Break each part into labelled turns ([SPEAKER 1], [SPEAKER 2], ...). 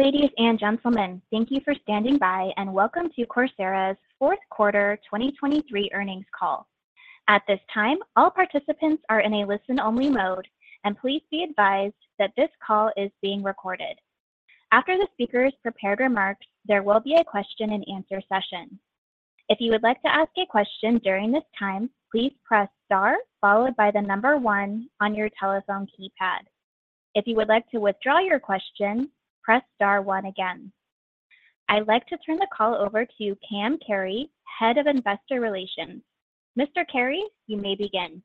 [SPEAKER 1] Ladies and gentlemen, thank you for standing by, and welcome to Coursera's Fourth Quarter 2023 Earnings Call. At this time, all participants are in a listen-only mode, and please be advised that this call is being recorded. After the speaker's prepared remarks, there will be a question-and-answer session. If you would like to ask a question during this time, please press star followed by the number one on your telephone keypad. If you would like to withdraw your question, press star one again. I'd like to turn the call over to Cam Carey, Head of Investor Relations. Mr. Carey, you may begin.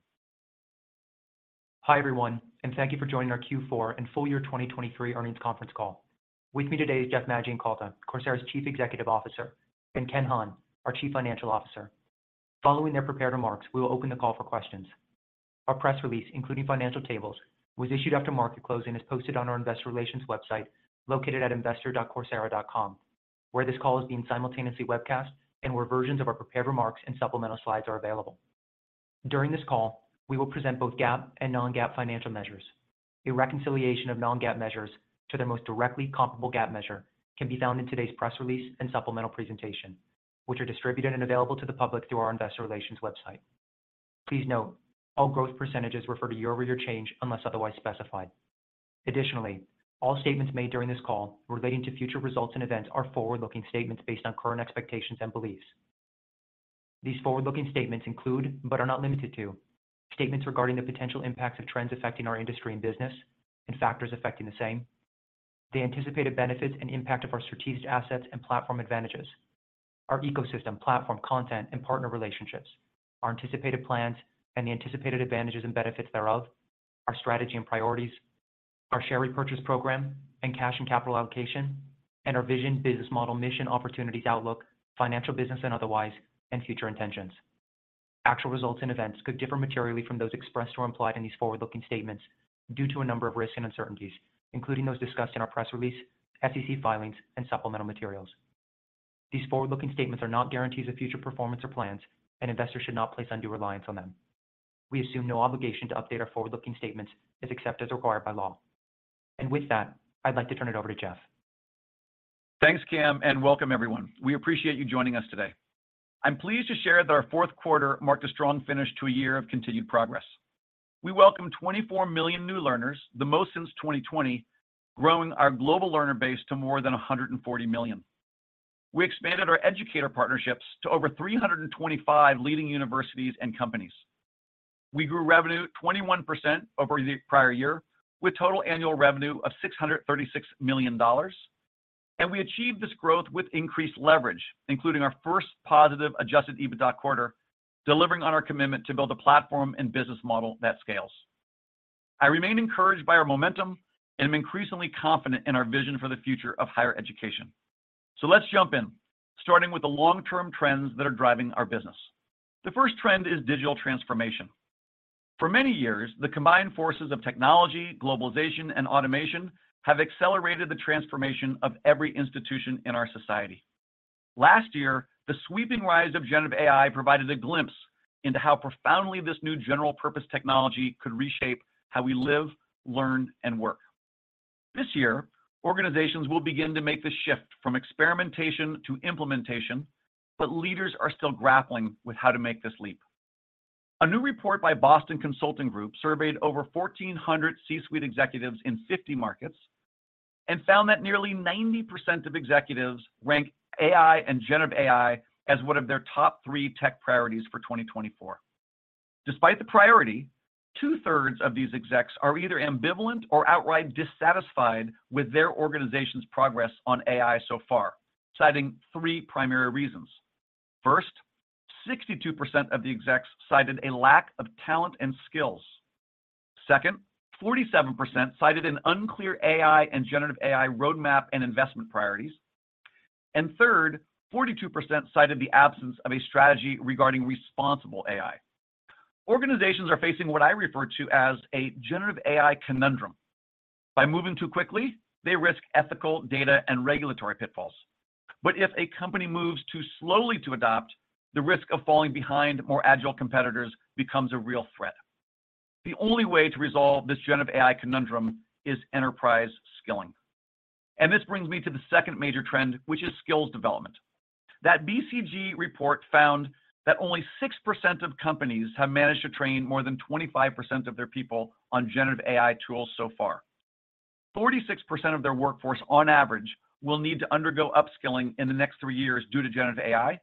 [SPEAKER 2] Hi, everyone, and thank you for joining our Q4 and full year 2023 earnings conference call. With me today is Jeff Maggioncalda, Coursera's Chief Executive Officer, and Ken Hahn, our Chief Financial Officer. Following their prepared remarks, we will open the call for questions. Our press release, including financial tables, was issued after market closing and is posted on our investor relations website, located at investor.coursera.com, where this call is being simultaneously webcast and where versions of our prepared remarks and supplemental slides are available. During this call, we will present both GAAP and non-GAAP financial measures. A reconciliation of non-GAAP measures to their most directly comparable GAAP measure can be found in today's press release and supplemental presentation, which are distributed and available to the public through our investor relations website. Please note, all growth percentages refer to year-over-year change unless otherwise specified. Additionally, all statements made during this call relating to future results and events are forward-looking statements based on current expectations and beliefs. These forward-looking statements include, but are not limited to, statements regarding the potential impacts of trends affecting our industry and business and factors affecting the same, the anticipated benefits and impact of our strategic assets and platform advantages, our ecosystem, platform, content, and partner relationships, our anticipated plans and the anticipated advantages and benefits thereof, our strategy and priorities, our share repurchase program, and cash and capital allocation, and our vision, business model, mission, opportunities, outlook, financial, business, and otherwise, and future intentions. Actual results and events could differ materially from those expressed or implied in these forward-looking statements due to a number of risks and uncertainties, including those discussed in our press release, SEC filings, and supplemental materials. These forward-looking statements are not guarantees of future performance or plans, and investors should not place undue reliance on them. We assume no obligation to update our forward-looking statements except as required by law. And with that, I'd like to turn it over to Jeff.
[SPEAKER 3] Thanks, Cam, and welcome everyone. We appreciate you joining us today. I'm pleased to share that our 4th quarter marked a strong finish to a year of continued progress. We welcomed 24 million new learners, the most since 2020, growing our global learner base to more than 140 million. We expanded our educator partnerships to over 325 leading universities and companies. We grew revenue 21% over the prior year, with total annual revenue of $636 million, and we achieved this growth with increased leverage, including our first positive adjusted EBITDA quarter, delivering on our commitment to build a platform and business model that scales. I remain encouraged by our momentum and am increasingly confident in our vision for the future of higher education. Let's jump in, starting with the long-term trends that are driving our business. The first trend is digital transformation. For many years, the combined forces of technology, globalization, and automation have accelerated the transformation of every institution in our society. Last year, the sweeping rise of generative AI provided a glimpse into how profoundly this new general-purpose technology could reshape how we live, learn, and work. This year, organizations will begin to make the shift from experimentation to implementation, but leaders are still grappling with how to make this leap. A new report by Boston Consulting Group surveyed over 1,400 C-suite executives in 50 markets and found that nearly 90% of executives rank AI and generative AI as one of their top three tech priorities for 2024. Despite the priority, 2/3 of these execs are either ambivalent or outright dissatisfied with their organization's progress on AI so far, citing three primary reasons. First, 62% of the execs cited a lack of talent and skills. Second, 47% cited an unclear AI and generative AI roadmap and investment priorities. And third, 42% cited the absence of a strategy regarding responsible AI. Organizations are facing what I refer to as a generative AI conundrum. By moving too quickly, they risk ethical, data, and regulatory pitfalls. But if a company moves too slowly to adopt, the risk of falling behind more agile competitors becomes a real threat. The only way to resolve this generative AI conundrum is enterprise skilling. This brings me to the second major trend, which is skills development. That BCG report found that only 6% of companies have managed to train more than 25% of their people on generative AI tools so far. 46% of their workforce, on average, will need to undergo upskilling in the next three years due to generative AI,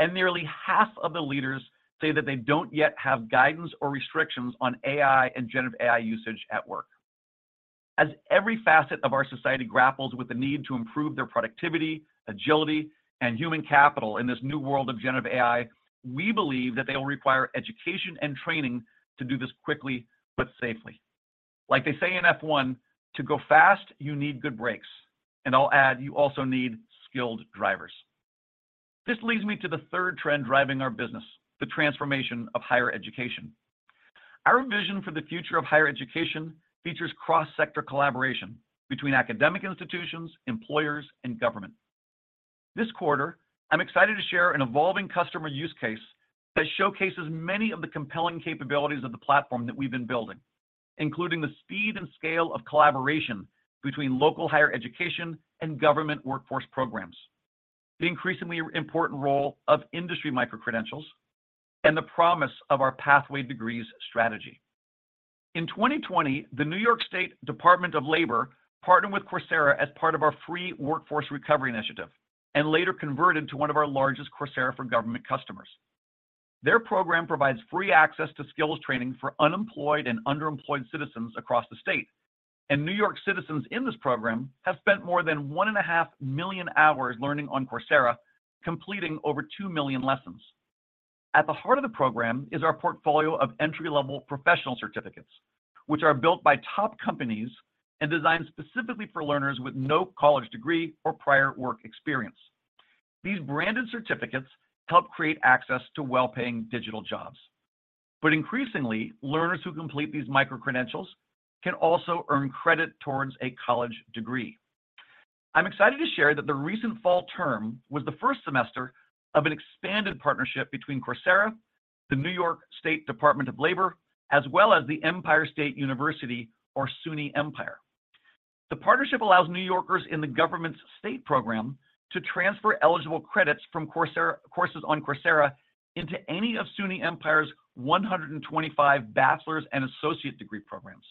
[SPEAKER 3] and nearly half of the leaders say that they don't yet have guidance or restrictions on AI and generative AI usage at work. As every facet of our society grapples with the need to improve their productivity, agility, and human capital in this new world of generative AI, we believe that they will require education and training to do this quickly but safely. Like they say in F1, "To go fast, you need good brakes," and I'll add, you also need skilled drivers. This leads me to the third trend driving our business, the transformation of higher education. Our vision for the future of higher education features cross-sector collaboration between academic institutions, employers, and government. This quarter, I'm excited to share an evolving customer use case that showcases many of the compelling capabilities of the platform that we've been building, including the speed and scale of collaboration between local higher education and government workforce programs, the increasingly important role of industry micro-credentials, and the promise of our Pathway Degrees strategy. In 2020, the New York State Department of Labor partnered with Coursera as part of our free workforce recovery initiative and later converted to one of our largest Coursera for Government customers. Their program provides free access to skills training for unemployed and underemployed citizens across the state. New York citizens in this program have spent more than 1.5 million hours learning on Coursera, completing over 2 million lessons. At the heart of the program is our portfolio of entry-level Professional Certificates, which are built by top companies and designed specifically for learners with no college degree or prior work experience. These branded certificates help create access to well-paying digital jobs. But increasingly, learners who complete these micro-credentials can also earn credit towards a college degree. I'm excited to share that the recent fall term was the first semester of an expanded partnership between Coursera, the New York State Department of Labor, as well as the Empire State University, or SUNY Empire. The partnership allows New Yorkers in the government's state program to transfer eligible credits from Coursera, courses on Coursera into any of SUNY Empire's 125 bachelor's and associate degree programs.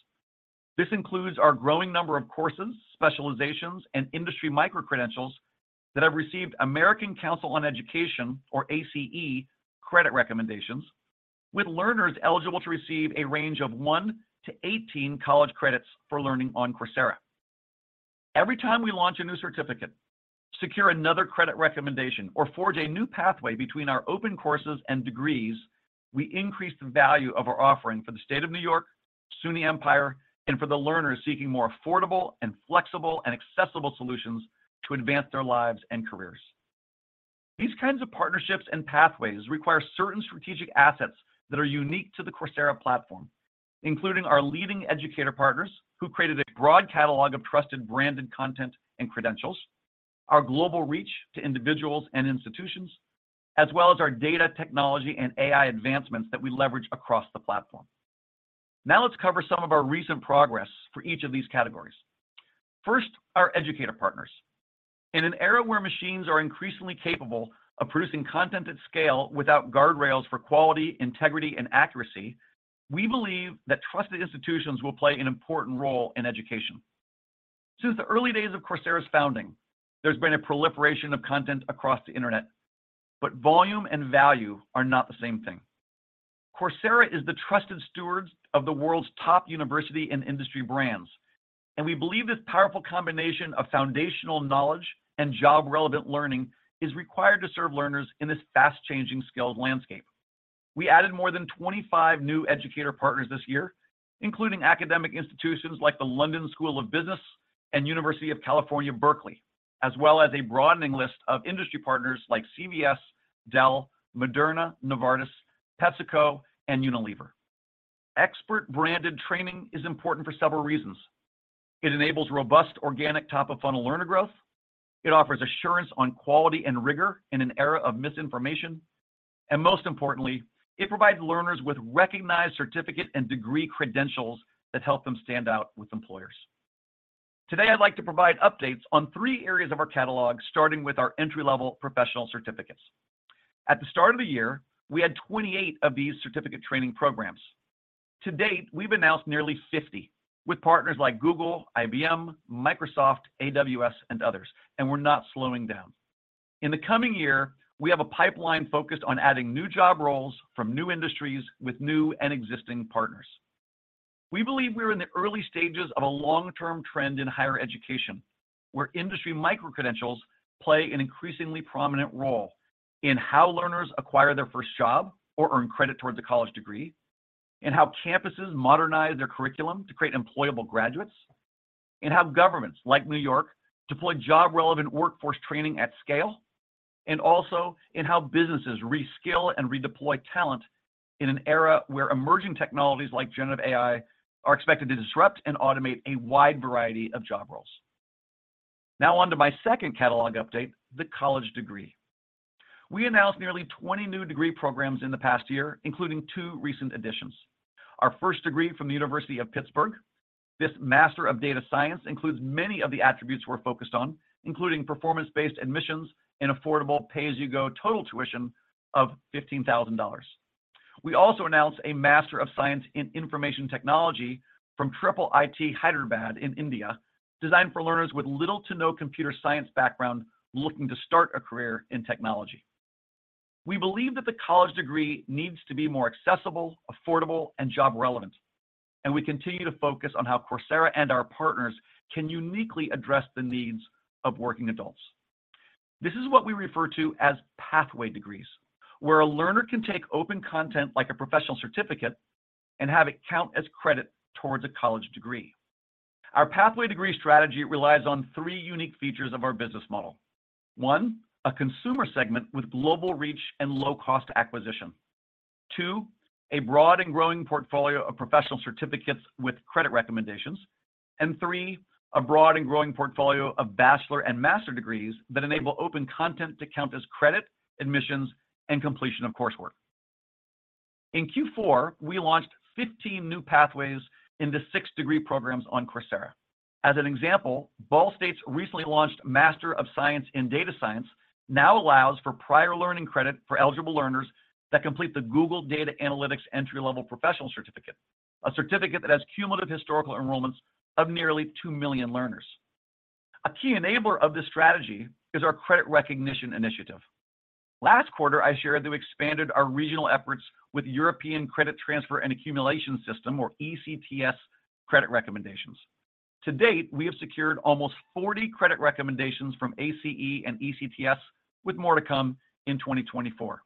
[SPEAKER 3] This includes our growing number of courses, specializations, and industry micro-credentials that have received American Council on Education, or ACE, credit recommendations, with learners eligible to receive a range of 1-18 college credits for learning on Coursera. Every time we launch a new certificate, secure another credit recommendation, or forge a new pathway between our open courses and degrees, we increase the value of our offering for the state of New York, SUNY Empire, and for the learners seeking more affordable and flexible and accessible solutions to advance their lives and careers. These kinds of partnerships and pathways require certain strategic assets that are unique to the Coursera platform, including our leading educator partners, who created a broad catalog of trusted branded content and credentials, our global reach to individuals and institutions, as well as our data technology and AI advancements that we leverage across the platform. Now, let's cover some of our recent progress for each of these categories. First, our educator partners. In an era where machines are increasingly capable of producing content at scale without guardrails for quality, integrity, and accuracy, we believe that trusted institutions will play an important role in education. Since the early days of Coursera's founding, there's been a proliferation of content across the internet, but volume and value are not the same thing. Coursera is the trusted stewards of the world's top university and industry brands, and we believe this powerful combination of foundational knowledge and job-relevant learning is required to serve learners in this fast-changing skilled landscape. We added more than 25 new educator partners this year, including academic institutions like the London School of Business and University of California, Berkeley, as well as a broadening list of industry partners like CVS, Dell, Moderna, Novartis, PepsiCo, and Unilever. Expert-branded training is important for several reasons. It enables robust organic top-of-funnel learner growth. It offers assurance on quality and rigor in an era of misinformation, and most importantly, it provides learners with recognized certificate and degree credentials that help them stand out with employers. Today, I'd like to provide updates on three areas of our catalog, starting with our entry-level Professional Certificates. At the start of the year, we had 28 of these certificate training programs. To date, we've announced nearly 50 with partners like Google, IBM, Microsoft, AWS, and others, and we're not slowing down. In the coming year, we have a pipeline focused on adding new job roles from new industries with new and existing partners. We believe we're in the early stages of a long-term trend in higher education, where industry micro-credentials play an increasingly prominent role in how learners acquire their first job or earn credit towards a college degree, and how campuses modernize their curriculum to create employable graduates, and how governments like New York deploy job-relevant workforce training at scale, and also in how businesses reskill and redeploy talent in an era where emerging technologies like generative AI are expected to disrupt and automate a wide variety of job roles. Now on to my second catalog update, the college degree. We announced nearly 20 new degree programs in the past year, including two recent additions. Our first degree from the University of Pittsburgh. This Master of Data Science includes many of the attributes we're focused on, including performance-based admissions and affordable pay-as-you-go total tuition of $15,000. We also announced a Master of Science in Information Technology from IIIT Hyderabad in India, designed for learners with little to no computer science background, looking to start a career in technology. We believe that the college degree needs to be more accessible, affordable, and job relevant, and we continue to focus on how Coursera and our partners can uniquely address the needs of working adults. This is what we refer to as pathway degrees, where a learner can take open content like a professional certificate and have it count as credit towards a college degree. Our pathway degree strategy relies on three unique features of our business model. One, a consumer segment with global reach and low-cost acquisition. Two, a broad and growing portfolio of professional certificates with credit recommendations. And three, a broad and growing portfolio of bachelor and master degrees that enable open content to count as credit, admissions, and completion of coursework. In Q4, we launched 15 new pathways into 6 degree programs on Coursera. As an example, Ball State's recently launched Master of Science in Data Science now allows for prior learning credit for eligible learners that complete the Google Data Analytics entry-level Professional Certificate, a certificate that has cumulative historical enrollments of nearly 2 million learners. A key enabler of this strategy is our credit recognition initiative. Last quarter, I shared that we expanded our regional efforts with European Credit Transfer and Accumulation System, or ECTS, credit recommendations. To date, we have secured almost 40 credit recommendations from ACE and ECTS, with more to come in 2024.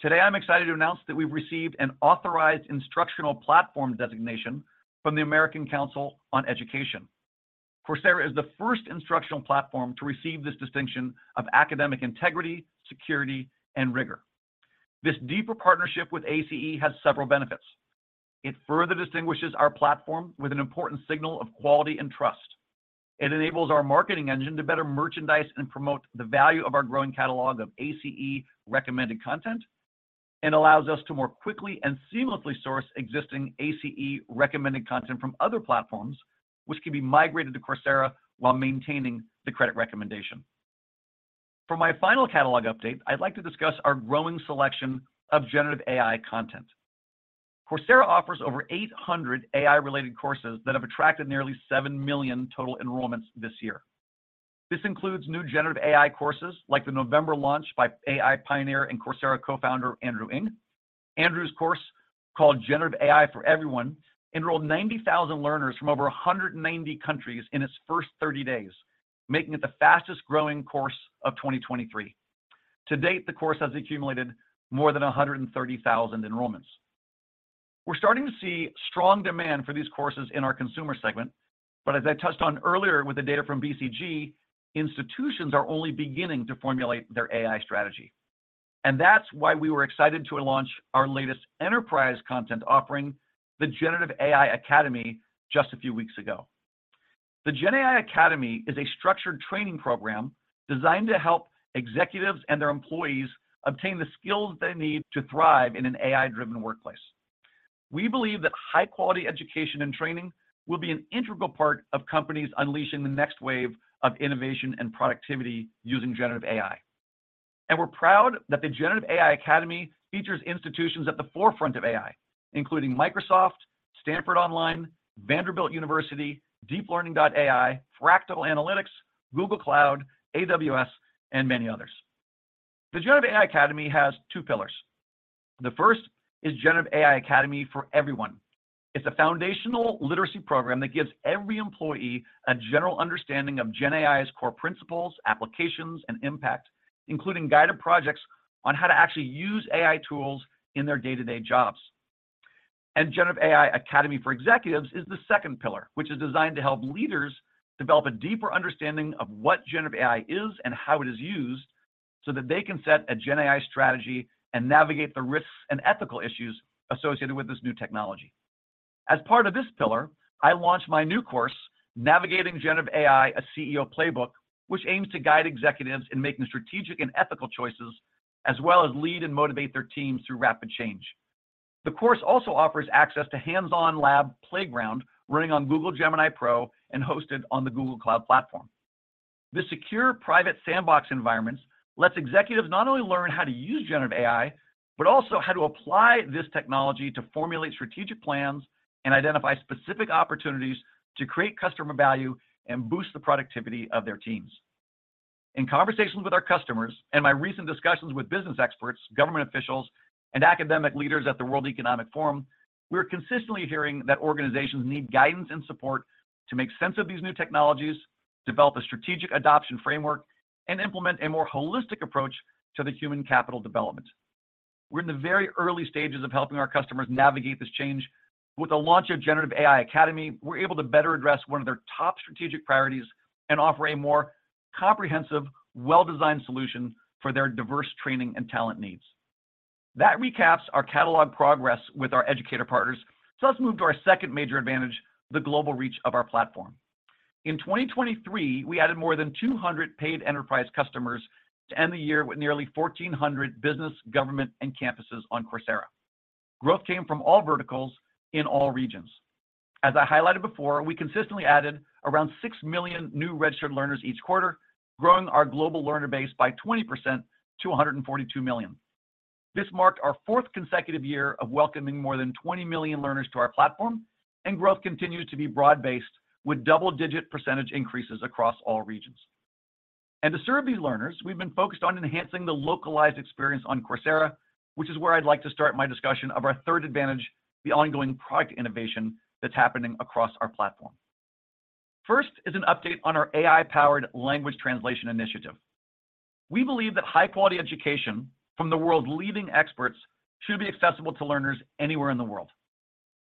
[SPEAKER 3] Today, I'm excited to announce that we've received an authorized instructional platform designation from the American Council on Education. Coursera is the first instructional platform to receive this distinction of academic integrity, security, and rigor. This deeper partnership with ACE has several benefits. It further distinguishes our platform with an important signal of quality and trust. It enables our marketing engine to better merchandise and promote the value of our growing catalog of ACE recommended content, and allows us to more quickly and seamlessly source existing ACE recommended content from other platforms, which can be migrated to Coursera while maintaining the credit recommendation. For my final catalog update, I'd like to discuss our growing selection of generative AI content. Coursera offers over 800 AI-related courses that have attracted nearly 7 million total enrollments this year. This includes new generative AI courses, like the November launch by AI pioneer and Coursera co-founder, Andrew Ng. Andrew's course, called Generative AI for Everyone, enrolled 90,000 learners from over 190 countries in its first 30 days, making it the fastest-growing course of 2023. To date, the course has accumulated more than 130,000 enrollments. We're starting to see strong demand for these courses in our consumer segment, but as I touched on earlier with the data from BCG, institutions are only beginning to formulate their AI strategy. And that's why we were excited to launch our latest enterprise content offering, the Generative AI Academy, just a few weeks ago. The Gen AI Academy is a structured training program designed to help executives and their employees obtain the skills they need to thrive in an AI-driven workplace. We believe that high-quality education and training will be an integral part of companies unleashing the next wave of innovation and productivity using Generative AI. We're proud that the Generative AI Academy features institutions at the forefront of AI, including Microsoft, Stanford Online, Vanderbilt University, DeepLearning.AI, Fractal Analytics, Google Cloud, AWS, and many others. The Generative AI Academy has two pillars. The first is Generative AI Academy for Everyone. It's a foundational literacy program that gives every employee a general understanding of Gen AI's core principles, applications, and impact, including guided projects on how to actually use AI tools in their day-to-day jobs. Generative AI Academy for Executives is the second pillar, which is designed to help leaders develop a deeper understanding of what generative AI is and how it is used, so that they can set a Gen AI strategy and navigate the risks and ethical issues associated with this new technology. As part of this pillar, I launched my new course, Navigating Generative AI, a CEO Playbook, which aims to guide executives in making strategic and ethical choices, as well as lead and motivate their teams through rapid change. The course also offers access to hands-on lab playground running on Google Gemini Pro and hosted on the Google Cloud Platform. This secure, private sandbox environment lets executives not only learn how to use Generative AI, but also how to apply this technology to formulate strategic plans and identify specific opportunities to create customer value and boost the productivity of their teams. In conversations with our customers and my recent discussions with business experts, government officials, and academic leaders at the World Economic Forum, we're consistently hearing that organizations need guidance and support to make sense of these new technologies, develop a strategic adoption framework, and implement a more holistic approach to the human capital development. We're in the very early stages of helping our customers navigate this change. With the launch of Generative AI Academy, we're able to better address one of their top strategic priorities and offer a more comprehensive, well-designed solution for their diverse training and talent needs. That recaps our catalog progress with our educator partners. So let's move to our second major advantage, the global reach of our platform. In 2023, we added more than 200 paid enterprise customers to end the year with nearly 1,400 business, government, and campuses on Coursera. Growth came from all verticals in all regions. As I highlighted before, we consistently added around 6 million new registered learners each quarter, growing our global learner base by 20% to 142 million. This marked our fourth consecutive year of welcoming more than 20 million learners to our platform, and growth continued to be broad-based, with double-digit percentage increases across all regions. To serve these learners, we've been focused on enhancing the localized experience on Coursera, which is where I'd like to start my discussion of our third advantage, the ongoing product innovation that's happening across our platform. First is an update on our AI-powered language translation initiative. We believe that high-quality education from the world's leading experts should be accessible to learners anywhere in the world.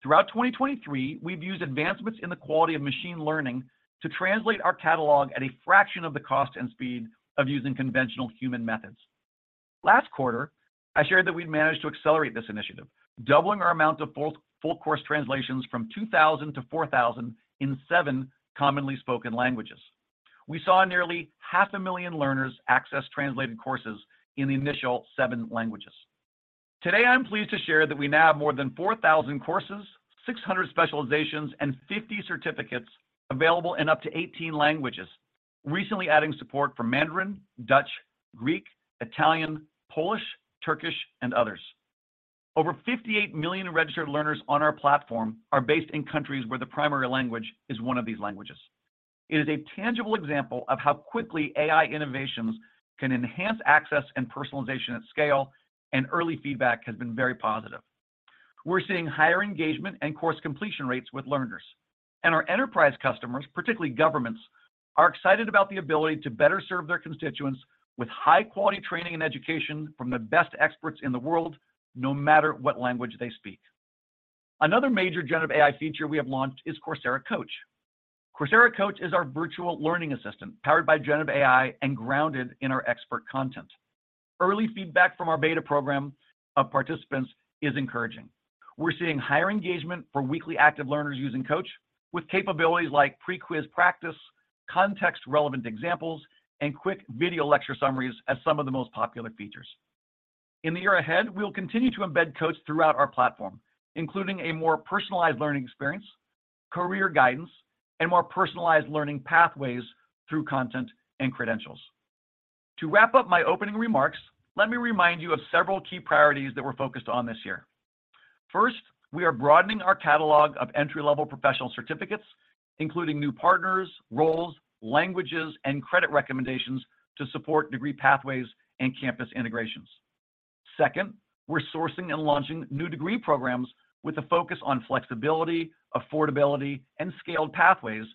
[SPEAKER 3] Throughout 2023, we've used advancements in the quality of machine learning to translate our catalog at a fraction of the cost and speed of using conventional human methods. Last quarter, I shared that we'd managed to accelerate this initiative, doubling our amount of full, full course translations from 2,000-4,000 in seven commonly spoken languages. We saw nearly 500,000 learners access translated courses in the initial seven languages. Today, I'm pleased to share that we now have more than 4,000 courses, 600 specializations, and 50 certificates available in up to 18 languages. Recently adding support for Mandarin, Dutch, Greek, Italian, Polish, Turkish, and others. Over 58 million registered learners on our platform are based in countries where the primary language is one of these languages. It is a tangible example of how quickly AI innovations can enhance access and personalization at scale, and early feedback has been very positive. We're seeing higher engagement and course completion rates with learners, and our enterprise customers, particularly governments, are excited about the ability to better serve their constituents with high-quality training and education from the best experts in the world, no matter what language they speak. Another major generative AI feature we have launched is Coursera Coach. Coursera Coach is our virtual learning assistant, powered by generative AI and grounded in our expert content. Early feedback from our beta program of participants is encouraging. We're seeing higher engagement for weekly active learners using Coach, with capabilities like pre-quiz practice, context-relevant examples, and quick video lecture summaries as some of the most popular features. In the year ahead, we'll continue to embed Coach throughout our platform, including a more personalized learning experience, career guidance, and more personalized learning pathways through content and credentials. To wrap up my opening remarks, let me remind you of several key priorities that we're focused on this year. First, we are broadening our catalog of entry-level Professional Certificates, including new partners, roles, languages, and credit recommendations to support degree pathways and campus integrations. Second, we're sourcing and launching new degree programs with a focus on flexibility, affordability, and scaled pathways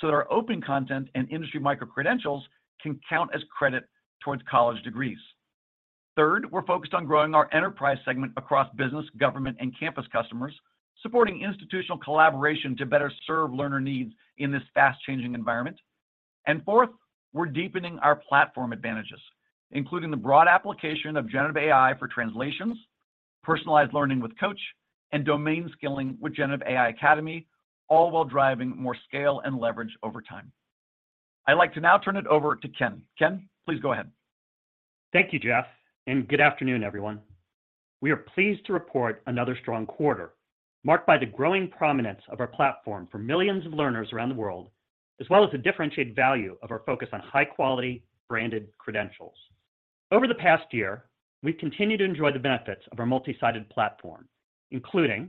[SPEAKER 3] so that our open content and industry micro-credentials can count as credit towards college degrees. Third, we're focused on growing our enterprise segment across business, government, and campus customers, supporting institutional collaboration to better serve learner needs in this fast-changing environment. Fourth, we're deepening our platform advantages, including the broad application of generative AI for translations, personalized learning with Coach, and domain skilling with Generative AI Academy, all while driving more scale and leverage over time. I'd like to now turn it over to Ken. Ken, please go ahead.
[SPEAKER 4] Thank you, Jeff, and good afternoon, everyone. We are pleased to report another strong quarter, marked by the growing prominence of our platform for millions of learners around the world, as well as the differentiated value of our focus on high-quality branded credentials. Over the past year, we've continued to enjoy the benefits of our multi-sided platform, including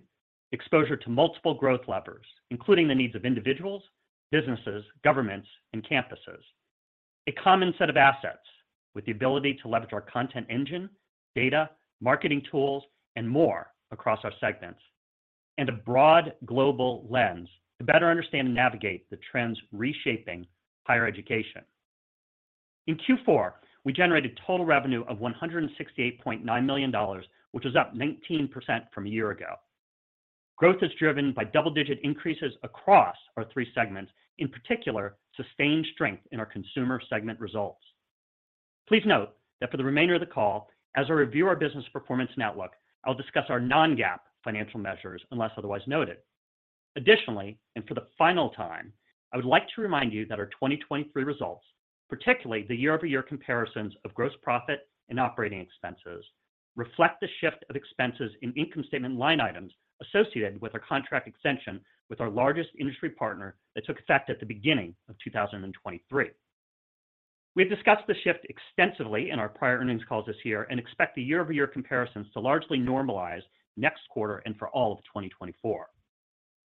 [SPEAKER 4] exposure to multiple growth levers, including the needs of individuals, businesses, governments, and campuses. A common set of assets with the ability to leverage our content engine, data, marketing tools, and more across our segments, and a broad global lens to better understand and navigate the trends reshaping higher education. In Q4, we generated total revenue of $168.9 million, which was up 19% from a year ago. Growth is driven by double-digit increases across our three segments, in particular, sustained strength in our consumer segment results. Please note that for the remainder of the call, as I review our business performance network, I'll discuss our non-GAAP financial measures, unless otherwise noted. Additionally, and for the final time, I would like to remind you that our 2023 results, particularly the year-over-year comparisons of gross profit and operating expenses, reflect the shift of expenses in income statement line items associated with our contract extension with our largest industry partner that took effect at the beginning of 2023. We've discussed the shift extensively in our prior earnings calls this year and expect the year-over-year comparisons to largely normalize next quarter and for all of 2024.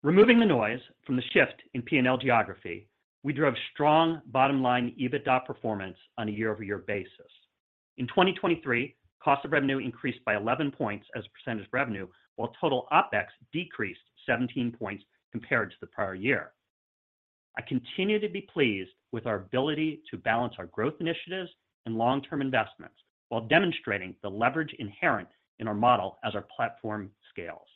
[SPEAKER 4] Removing the noise from the shift in P&L geography, we drove strong bottom-line EBITDA performance on a year-over-year basis. In 2023, cost of revenue increased by 11 points as a percentage of revenue, while total OpEx decreased 17 points compared to the prior year. I continue to be pleased with our ability to balance our growth initiatives and long-term investments while demonstrating the leverage inherent in our model as our platform scales.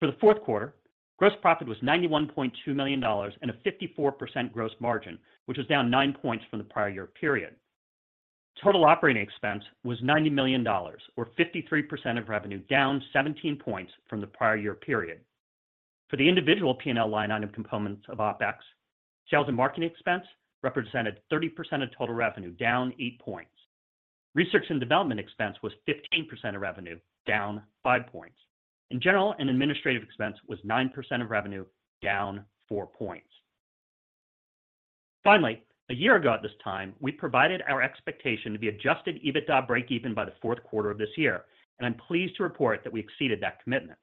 [SPEAKER 4] For the 4th quarter, gross profit was $91.2 million and a 54% gross margin, which was down 9 points from the prior year period. Total operating expense was $90 million, or 53% of revenue, down 17 points from the prior year period. For the individual P&L line item components of OpEx, sales and marketing expense represented 30% of total revenue, down 8 points. Research and development expense was 15% of revenue, down 5 points. General and administrative expense was 9% of revenue, down 4 points. Finally, a year ago at this time, we provided our expectation to be adjusted EBITDA breakeven by the 4th quarter of this year, and I'm pleased to report that we exceeded that commitment.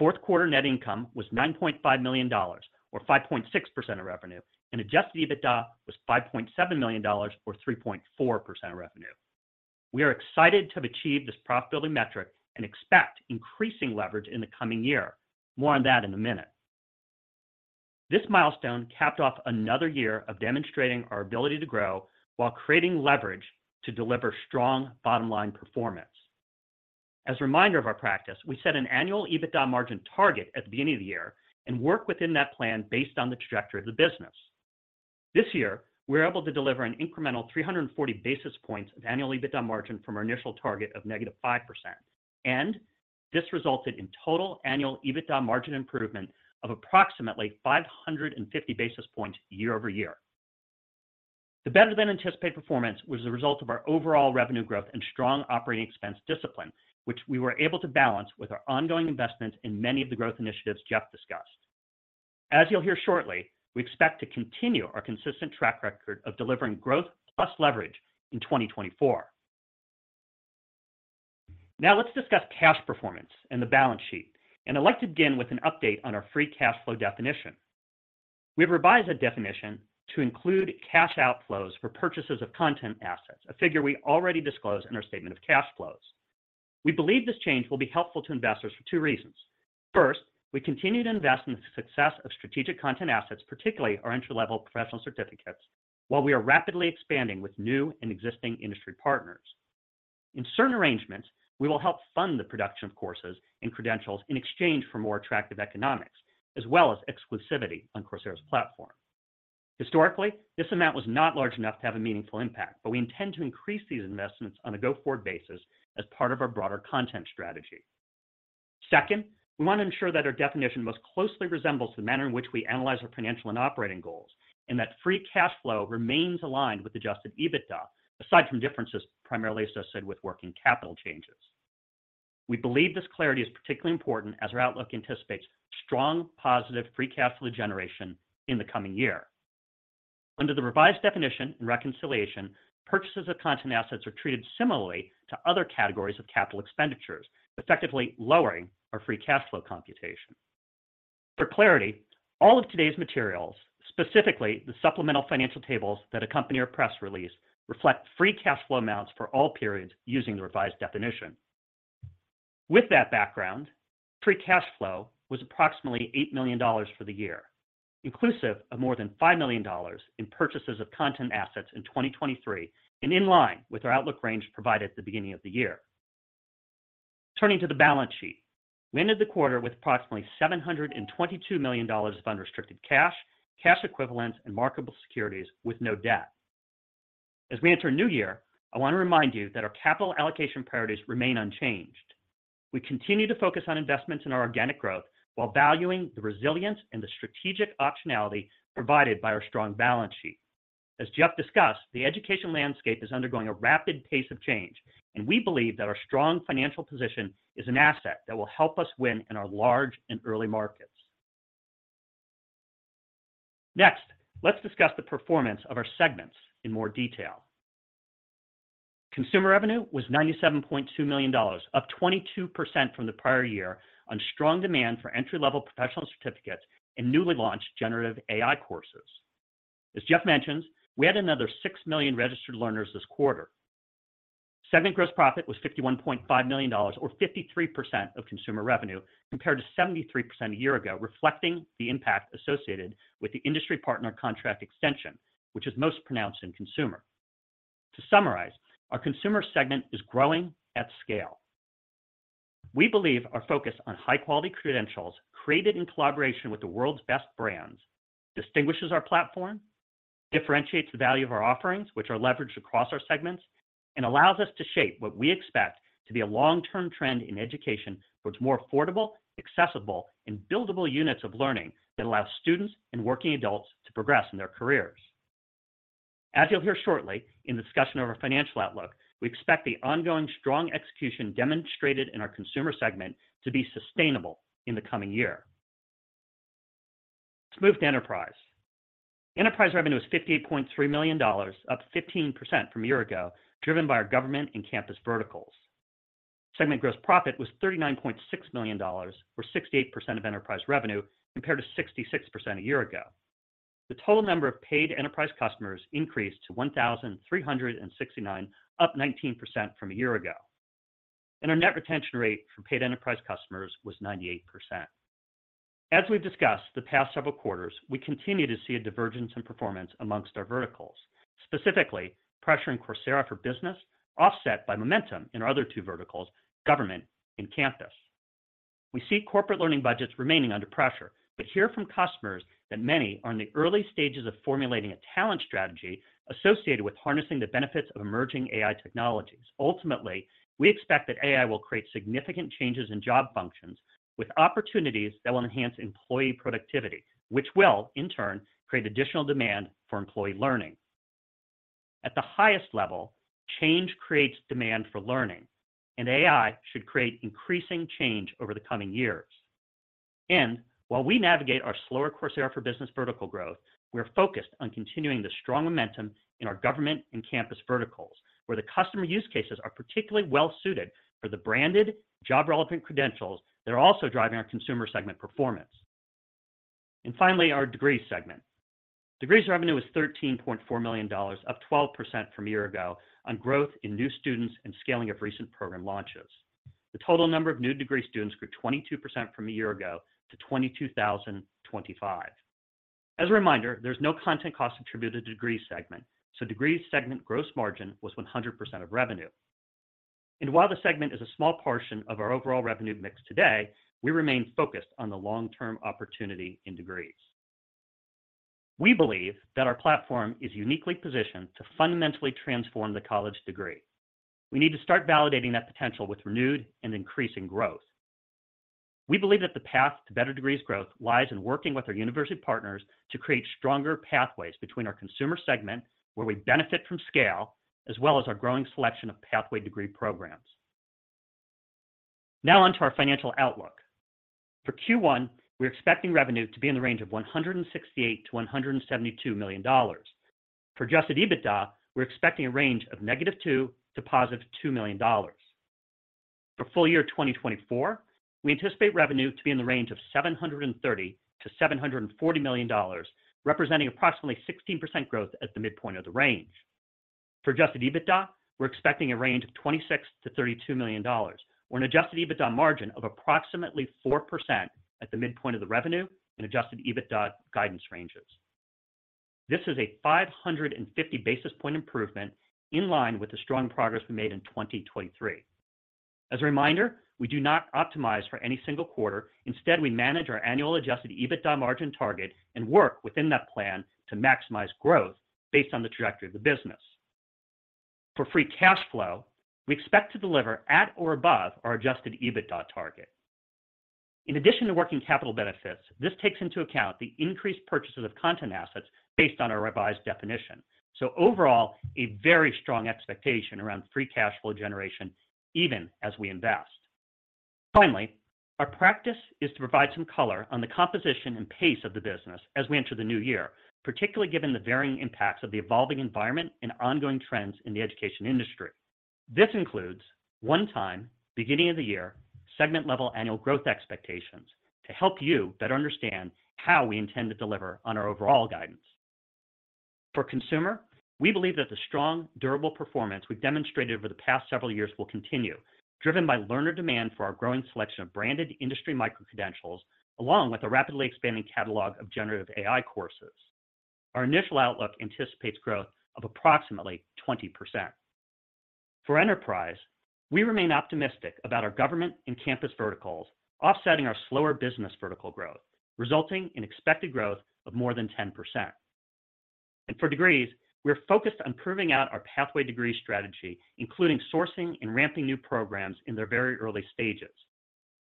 [SPEAKER 4] 4th quarter net income was $9.5 million, or 5.6% of revenue, and adjusted EBITDA was $5.7 million or 3.4% of revenue. We are excited to have achieved this profitability metric and expect increasing leverage in the coming year. More on that in a minute. This milestone capped off another year of demonstrating our ability to grow while creating leverage to deliver strong bottom line performance. As a reminder of our practice, we set an annual EBITDA margin target at the beginning of the year and work within that plan based on the trajectory of the business. This year, we were able to deliver an incremental 340 basis points of annual EBITDA margin from our initial target of -5%, and this resulted in total annual EBITDA margin improvement of approximately 550 basis points year-over-year. The better-than-anticipated performance was the result of our overall revenue growth and strong operating expense discipline, which we were able to balance with our ongoing investments in many of the growth initiatives Jeff discussed. As you'll hear shortly, we expect to continue our consistent track record of delivering growth plus leverage in 2024. Now let's discuss cash performance and the balance sheet, and I'd like to begin with an update on our free cash flow definition. We've revised the definition to include cash outflows for purchases of content assets, a figure we already disclosed in our statement of cash flows. We believe this change will be helpful to investors for two reasons. First, we continue to invest in the success of strategic content assets, particularly our entry-level Professional Certificates, while we are rapidly expanding with new and existing industry partners. In certain arrangements, we will help fund the production of courses and credentials in exchange for more attractive economics, as well as exclusivity on Coursera's platform. Historically, this amount was not large enough to have a meaningful impact, but we intend to increase these investments on a go-forward basis as part of our broader content strategy. Second, we want to ensure that our definition most closely resembles the manner in which we analyze our financial and operating goals, and that Free Cash Flow remains aligned with adjusted EBITDA, aside from differences primarily associated with working capital changes. We believe this clarity is particularly important as our outlook anticipates strong, positive Free Cash Flow generation in the coming year. Under the revised definition and reconciliation, purchases of content assets are treated similarly to other categories of capital expenditures, effectively lowering our Free Cash Flow computation. For clarity, all of today's materials, specifically the supplemental financial tables that accompany our press release, reflect Free Cash Flow amounts for all periods using the revised definition. With that background, Free Cash Flow was approximately $8 million for the year, inclusive of more than $5 million in purchases of content assets in 2023 and in line with our outlook range provided at the beginning of the year. Turning to the balance sheet. We ended the quarter with approximately $722 million of unrestricted cash, cash equivalents, and marketable securities with no debt. As we enter a new year, I want to remind you that our capital allocation priorities remain unchanged. We continue to focus on investments in our organic growth while valuing the resilience and the strategic optionality provided by our strong balance sheet. As Jeff discussed, the education landscape is undergoing a rapid pace of change, and we believe that our strong financial position is an asset that will help us win in our large and early markets. Next, let's discuss the performance of our segments in more detail. Consumer revenue was $97.2 million, up 22% from the prior year on strong demand for entry-level Professional Certificates and newly launched Generative AI courses. As Jeff mentioned, we had another 6 million registered learners this quarter. Segment gross profit was $51.5 million or 53% of consumer revenue, compared to 73% a year ago, reflecting the impact associated with the industry partner contract extension, which is most pronounced in consumer. To summarize, our consumer segment is growing at scale. We believe our focus on high-quality credentials, created in collaboration with the world's best brands, distinguishes our platform, differentiates the value of our offerings, which are leveraged across our segments, and allows us to shape what we expect to be a long-term trend in education towards more affordable, accessible, and buildable units of learning that allow students and working adults to progress in their careers. As you'll hear shortly in the discussion of our financial outlook, we expect the ongoing strong execution demonstrated in our consumer segment to be sustainable in the coming year. Let's move to enterprise. Enterprise revenue is $58.3 million, up 15% from a year ago, driven by our government and campus verticals. Segment gross profit was $39.6 million, or 68% of enterprise revenue, compared to 66% a year ago. The total number of paid enterprise customers increased to 1,369, up 19% from a year ago, and our net retention rate for paid enterprise customers was 98%. As we've discussed the past several quarters, we continue to see a divergence in performance amongst our verticals, specifically pressuring Coursera for Business, offset by momentum in our other two verticals, government and campus. We see corporate learning budgets remaining under pressure, but hear from customers that many are in the early stages of formulating a talent strategy associated with harnessing the benefits of emerging AI technologies. Ultimately, we expect that AI will create significant changes in job functions with opportunities that will enhance employee productivity, which will, in turn, create additional demand for employee learning. At the highest level, change creates demand for learning, and AI should create increasing change over the coming years. And while we navigate our slower Coursera for Business vertical growth, we're focused on continuing the strong momentum in our government and campus verticals, where the customer use cases are particularly well suited for the branded, job-relevant credentials that are also driving our consumer segment performance. And finally, our degree segment. Degrees revenue was $13.4 million, up 12% from a year ago, on growth in new students and scaling of recent program launches. The total number of new degree students grew 22% from a year ago to 22,025. As a reminder, there's no content cost attributed to degree segment, so degrees segment gross margin was 100% of revenue. While the segment is a small portion of our overall revenue mix today, we remain focused on the long-term opportunity in degrees. We believe that our platform is uniquely positioned to fundamentally transform the college degree. We need to start validating that potential with renewed and increasing growth. We believe that the path to better degrees growth lies in working with our university partners to create stronger pathways between our consumer segment, where we benefit from scale, as well as our growing selection of pathway degree programs. Now on to our financial outlook. For Q1, we're expecting revenue to be in the range of $168 million-$172 million. For adjusted EBITDA, we're expecting a range of -$2 million to +$2 million. For full year 2024, we anticipate revenue to be in the range of $730 million-$740 million, representing approximately 16% growth at the midpoint of the range. For adjusted EBITDA, we're expecting a range of $26 million-$32 million, or an adjusted EBITDA margin of approximately 4% at the midpoint of the revenue and adjusted EBITDA guidance ranges. This is a 550 basis point improvement, in line with the strong progress we made in 2023. As a reminder, we do not optimize for any single quarter. Instead, we manage our annual adjusted EBITDA margin target and work within that plan to maximize growth based on the trajectory of the business. For Free Cash Flow, we expect to deliver at or above our adjusted EBITDA target. In addition to working capital benefits, this takes into account the increased purchases of content assets based on our revised definition. So overall, a very strong expectation around Free Cash Flow generation, even as we invest. Finally, our practice is to provide some color on the composition and pace of the business as we enter the new year, particularly given the varying impacts of the evolving environment and ongoing trends in the education industry. This includes one-time, beginning of the year, segment-level annual growth expectations to help you better understand how we intend to deliver on our overall guidance. For consumer, we believe that the strong, durable performance we've demonstrated over the past several years will continue, driven by learner demand for our growing selection of branded industry micro-credentials, along with a rapidly expanding catalog of generative AI courses. Our initial outlook anticipates growth of approximately 20%. For enterprise, we remain optimistic about our government and campus verticals, offsetting our slower business vertical growth, resulting in expected growth of more than 10%. For degrees, we're focused on proving out our pathway degree strategy, including sourcing and ramping new programs in their very early stages.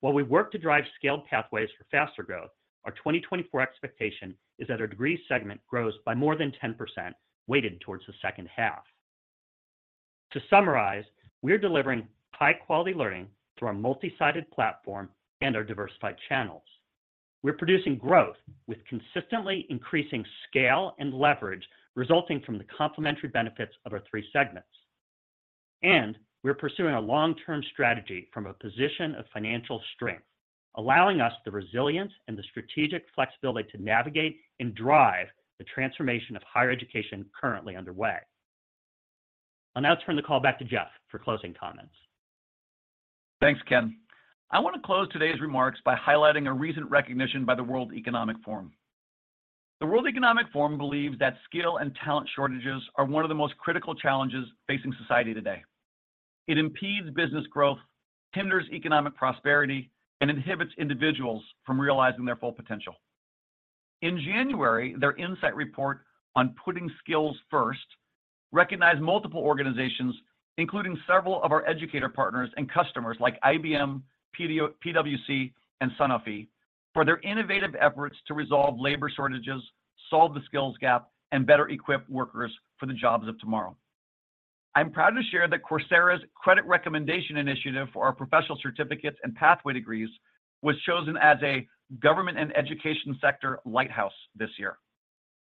[SPEAKER 4] While we work to drive scaled pathways for faster growth, our 2024 expectation is that our degree segment grows by more than 10%, weighted towards the 2nd half. To summarize, we are delivering high-quality learning through our multi-sided platform and our diversified channels. We're producing growth with consistently increasing scale and leverage, resulting from the complementary benefits of our three segments. We're pursuing a long-term strategy from a position of financial strength, allowing us the resilience and the strategic flexibility to navigate and drive the transformation of higher education currently underway. I'll now turn the call back to Jeff for closing comments.
[SPEAKER 3] Thanks, Ken. I want to close today's remarks by highlighting a recent recognition by the World Economic Forum. The World Economic Forum believes that skill and talent shortages are one of the most critical challenges facing society today. It impedes business growth, hinders economic prosperity, and inhibits individuals from realizing their full potential. In January, their insight report on putting skills first recognized multiple organizations, including several of our educator partners and customers like IBM, PwC, and Sanofi, for their innovative efforts to resolve labor shortages, solve the skills gap, and better equip workers for the jobs of tomorrow. I'm proud to share that Coursera's credit recommendation initiative for our professional certificates and pathway degrees was chosen as a government and education sector lighthouse this year.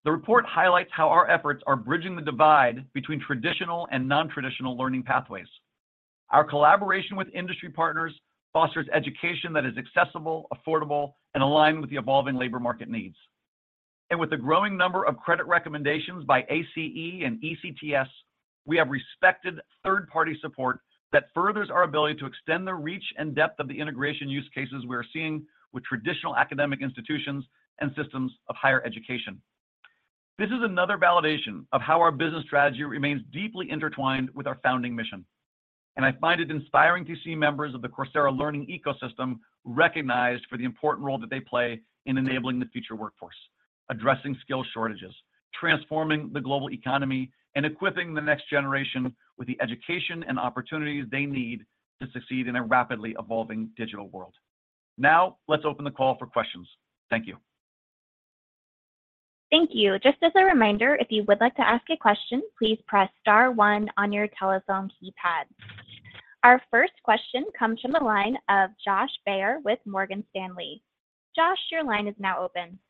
[SPEAKER 3] The report highlights how our efforts are bridging the divide between traditional and non-traditional learning pathways. Our collaboration with industry partners fosters education that is accessible, affordable, and aligned with the evolving labor market needs. With the growing number of credit recommendations by ACE and ECTS, we have respected third-party support that furthers our ability to extend the reach and depth of the integration use cases we are seeing with traditional academic institutions and systems of higher education. This is another validation of how our business strategy remains deeply intertwined with our founding mission, and I find it inspiring to see members of the Coursera learning ecosystem recognized for the important role that they play in enabling the future workforce, addressing skill shortages, transforming the global economy, and equipping the next generation with the education and opportunities they need to succeed in a rapidly evolving digital world. Now, let's open the call for questions. Thank you.
[SPEAKER 1] Thank you. Just as a reminder, if you would like to ask a question, please press star one on your telephone keypad. Our first question comes from the line of Josh Baer with Morgan Stanley. Josh, your line is now open.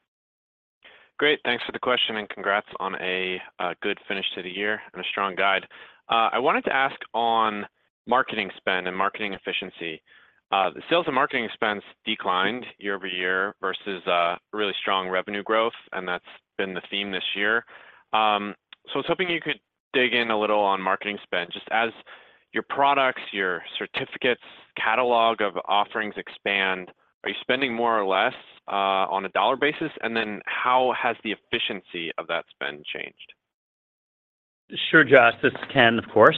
[SPEAKER 5] Great. Thanks for the question, and congrats on a good finish to the year and a strong guide. I wanted to ask on marketing spend and marketing efficiency. The sales and marketing expense declined year-over-year versus really strong revenue growth, and that's been the theme this year. So I was hoping you could dig in a little on marketing spend, just your products, your certificates, catalog of offerings expand, are you spending more or less on a dollar basis? And then how has the efficiency of that spend changed?
[SPEAKER 4] Sure, Josh, this is Ken, of course.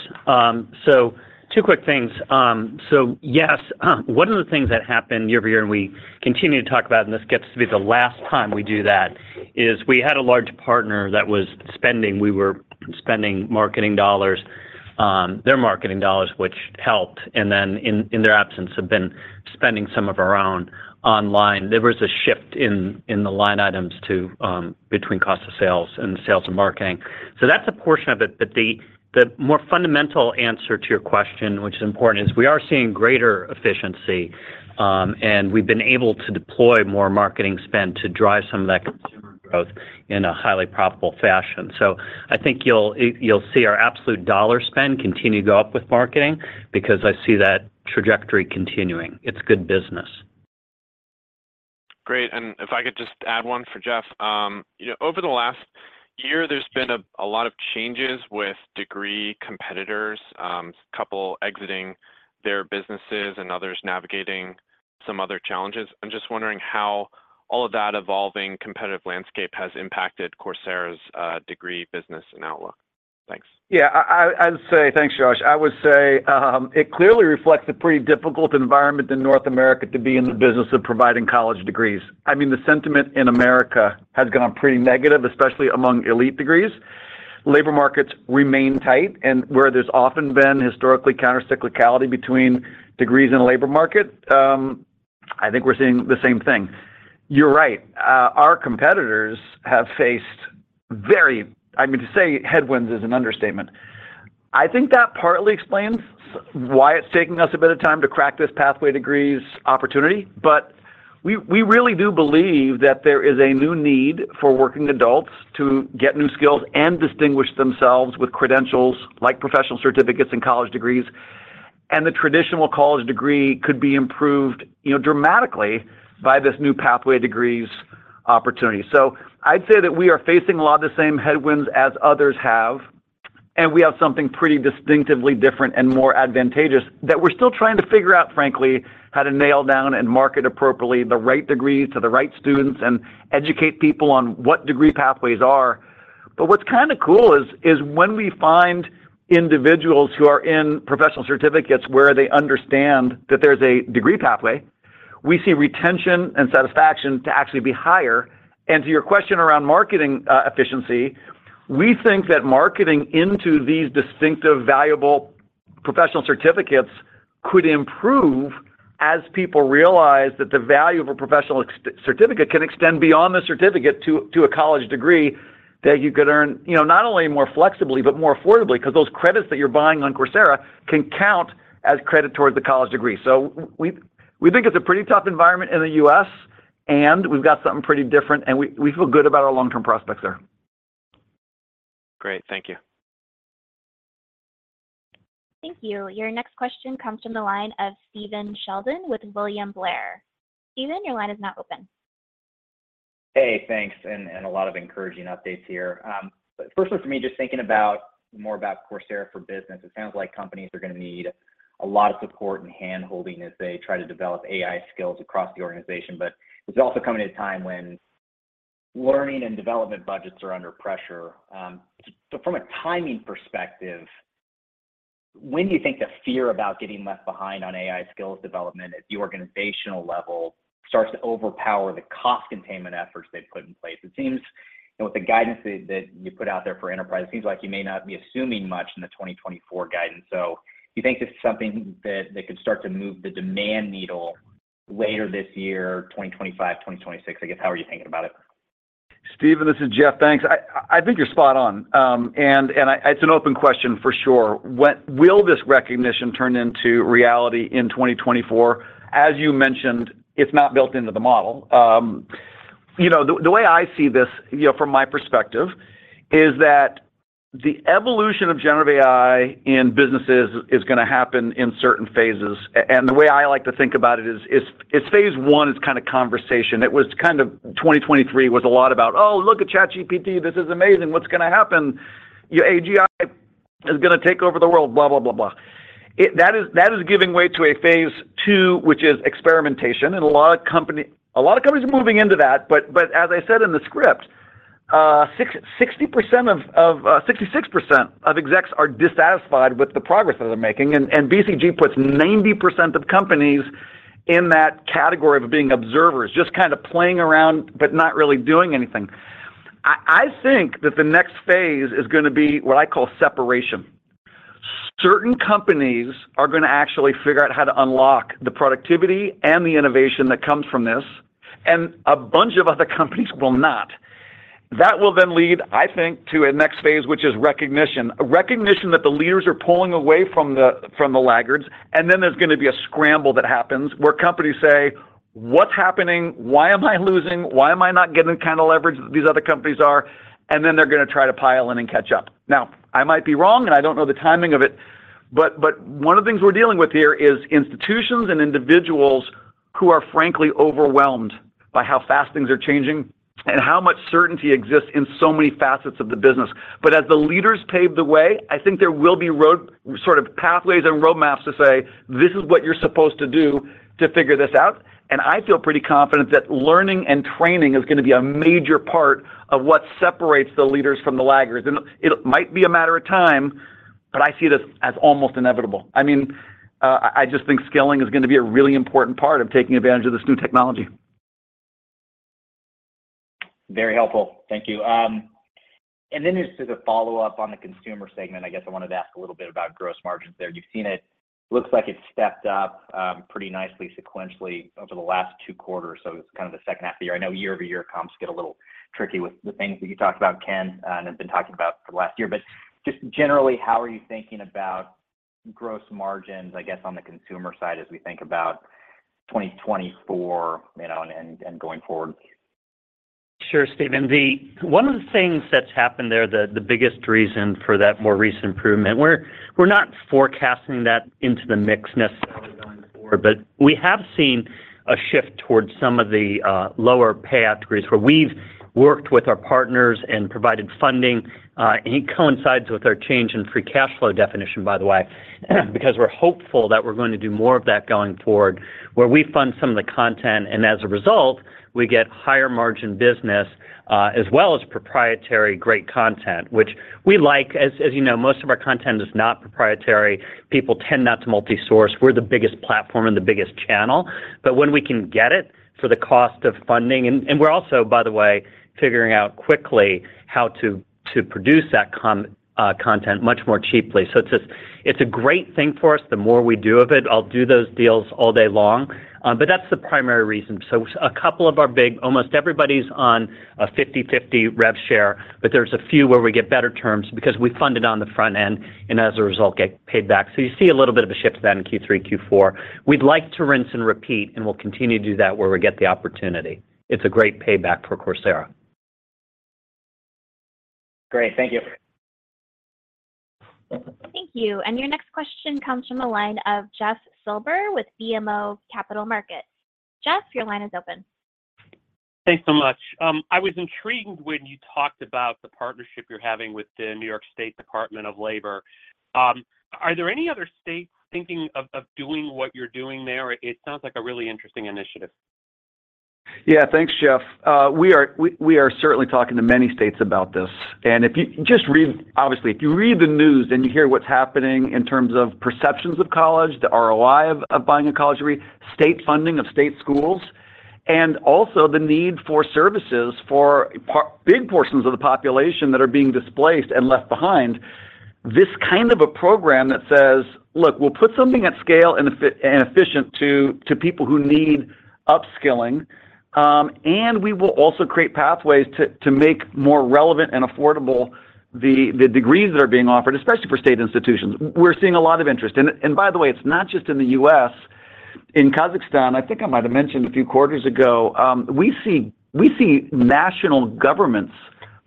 [SPEAKER 4] So two quick things. So yes, one of the things that happened year-over-year, and we continue to talk about, and this gets to be the last time we do that, is we had a large partner that was spending, we were spending marketing dollars, their marketing dollars, which helped, and then in their absence, have been spending some of our own online. There was a shift in the line items to between cost of sales and sales and marketing. So that's a portion of it, but the more fundamental answer to your question, which is important, is we are seeing greater efficiency, and we've been able to deploy more marketing spend to drive some of that consumer growth in a highly profitable fashion. I think you'll see our absolute dollar spend continue to go up with marketing, because I see that trajectory continuing. It's good business.
[SPEAKER 5] Great, and if I could just add one for Jeff. You know, over the last year, there's been a lot of changes with degree competitors, a couple exiting their businesses and others navigating some other challenges. I'm just wondering how all of that evolving competitive landscape has impacted Coursera's degree business, and outlook. Thanks.
[SPEAKER 3] Yeah, I'd say... Thanks, Josh. I would say, it clearly reflects a pretty difficult environment in North America to be in the business of providing college degrees. I mean, the sentiment in America has gone pretty negative, especially among elite degrees. Labor markets remain tight, and where there's often been historically countercyclicality between degrees and labor market, I think we're seeing the same thing. You're right, our competitors have faced very, I mean, to say headwinds is an understatement. I think that partly explains why it's taking us a bit of time to crack this pathway degrees opportunity, but we really do believe that there is a new need for working adults to get new skills and distinguish themselves with credentials like professional certificates and college degrees, and the traditional college degree could be improved, you know, dramatically by this new pathway degrees opportunity. So I'd say that we are facing a lot of the same headwinds as others have, and we have something pretty distinctively different and more advantageous that we're still trying to figure out, frankly, how to nail down and market appropriately the right degrees to the right students and educate people on what degree pathways are. But what's kinda cool is when we find individuals who are in professional certificates where they understand that there's a degree pathway, we see retention and satisfaction to actually be higher. To your question around marketing efficiency, we think that marketing into these distinctive, valuable professional certificates could improve as people realize that the value of a professional certificate can extend beyond the certificate to a college degree, that you could earn, you know, not only more flexibly, but more affordably, because those credits that you're buying on Coursera can count as credit towards a college degree. So we think it's a pretty tough environment in the U.S., and we've got something pretty different, and we feel good about our long-term prospects there.
[SPEAKER 5] Great. Thank you.
[SPEAKER 1] Thank you. Your next question comes from the line of Stephen Sheldon with William Blair. Stephen, your line is now open.
[SPEAKER 6] Hey, thanks, and a lot of encouraging updates here. But firstly, for me, just thinking about more about Coursera for Business, it sounds like companies are gonna need a lot of support and hand-holding as they try to develop AI skills across the organization. But it's also coming at a time when learning and development budgets are under pressure. So from a timing perspective, when do you think the fear about getting left behind on AI skills development at the organizational level starts to overpower the cost containment efforts they've put in place? It seems, and with the guidance that, that you put out there for enterprise, it seems like you may not be assuming much in the 2024 guidance. So do you think this is something that, that could start to move the demand needle later this year, 2025, 2026? I guess, how are you thinking about it?
[SPEAKER 3] Stephen, this is Jeff. Thanks. I think you're spot on. And it's an open question for sure. What will this recognition turn into reality in 2024? As you mentioned, it's not built into the model. You know, the way I see this, you know, from my perspective, is that the evolution of generative AI in businesses is gonna happen in certain phases. And the way I like to think about it is phase one is kind of conversation. It was kind of 2023 was a lot about, "Oh, look at ChatGPT, this is amazing. What's gonna happen? Your AGI is gonna take over the world," blah, blah, blah, blah. That is giving way to a phase II, which is experimentation, and a lot of companies are moving into that, but as I said in the script, 66% of execs are dissatisfied with the progress that they're making, and BCG puts 90% of companies in that category of being observers, just kind of playing around, but not really doing anything. I think that the next phase is gonna be what I call separation. Certain companies are gonna actually figure out how to unlock the productivity and the innovation that comes from this, and a bunch of other companies will not. That will then lead, I think, to a next phase, which is recognition. Recognition that the leaders are pulling away from the laggards, and then there's gonna be a scramble that happens, where companies say, "What's happening? Why am I losing? Why am I not getting the kind of leverage that these other companies are?" And then they're gonna try to pile in and catch up. Now, I might be wrong, and I don't know the timing of it, but one of the things we're dealing with here is institutions and individuals who are frankly overwhelmed by how fast things are changing and how much certainty exists in so many facets of the business. But as the leaders pave the way, I think there will be road, sort of pathways and roadmaps to say, "This is what you're supposed to do to figure this out." And I feel pretty confident that learning and training is gonna be a major part of what separates the leaders from the laggards. And it might be a matter of time, but I see this as almost inevitable. I mean, I just think skilling is gonna be a really important part of taking advantage of this new technology.
[SPEAKER 6] Very helpful. Thank you. And then just as a follow-up on the consumer segment, I guess I wanted to ask a little bit about gross margins there. You've seen it. Looks like it stepped up pretty nicely sequentially over the last two quarters, so it's kind of the second half of the year. I know year-over-year comps get a little tricky with the things that you talked about, Ken, and have been talking about for the last year. But just generally, how are you thinking about gross margins, I guess, on the consumer side, as we think about 2024, you know, and, and going forward?
[SPEAKER 4] Sure, Stephen. One of the things that's happened there, the biggest reason for that more recent improvement, we're not forecasting that into the mix necessarily going forward, but we have seen a shift towards some of the lower payout degrees, where we've worked with our partners and provided funding. It coincides with our change in free cash flow definition, by the way, because we're hopeful that we're going to do more of that going forward, where we fund some of the content, and as a result, we get higher margin business, as well as proprietary, great content, which we like. As you know, most of our content is not proprietary. People tend not to multi-source. We're the biggest platform and the biggest channel, but when we can get it for the cost of funding. We're also, by the way, figuring out quickly how to produce that content much more cheaply. So it's a great thing for us the more we do of it. I'll do those deals all day long, but that's the primary reason. So a couple of our—almost everybody's on a 50/50 rev share, but there's a few where we get better terms because we fund it on the front end, and as a result, get paid back. So you see a little bit of a shift to that in Q3, Q4. We'd like to rinse and repeat, and we'll continue to do that where we get the opportunity. It's a great payback for Coursera.
[SPEAKER 6] Great. Thank you.
[SPEAKER 1] Thank you, and your next question comes from the line of Jeff Silber with BMO Capital Markets. Jeff, your line is open.
[SPEAKER 7] Thanks so much. I was intrigued when you talked about the partnership you're having with the New York State Department of Labor. Are there any other states thinking of doing what you're doing there? It sounds like a really interesting initiative.
[SPEAKER 3] Yeah. Thanks, Jeff. We are certainly talking to many states about this. And if you just read, obviously, if you read the news and you hear what's happening in terms of perceptions of college, the ROI of buying a college degree, state funding of state schools, and also the need for services for big portions of the population that are being displaced and left behind, this kind of a program that says, "Look, we'll put something at scale and efficient to people who need upskilling, and we will also create pathways to make more relevant and affordable the degrees that are being offered," especially for state institutions, we're seeing a lot of interest. By the way, it's not just in the U.S. In Kazakhstan, I think I might have mentioned a few quarters ago, we see national governments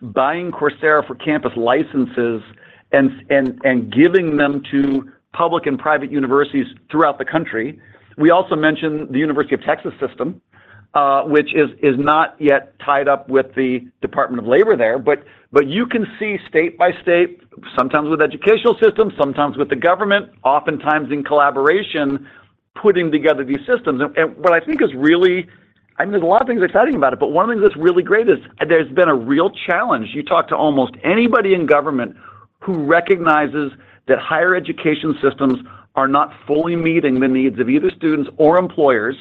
[SPEAKER 3] buying Coursera for Campus licenses and giving them to public and private universities throughout the country. We also mentioned the University of Texas System, which is not yet tied up with the Department of Labor there, but you can see state by state, sometimes with educational systems, sometimes with the government, oftentimes in collaboration, putting together these systems. And what I think is really, I mean, there's a lot of things exciting about it, but one of the things that's really great is, there's been a real challenge. You talk to almost anybody in government who recognizes that higher education systems are not fully meeting the needs of either students or employers,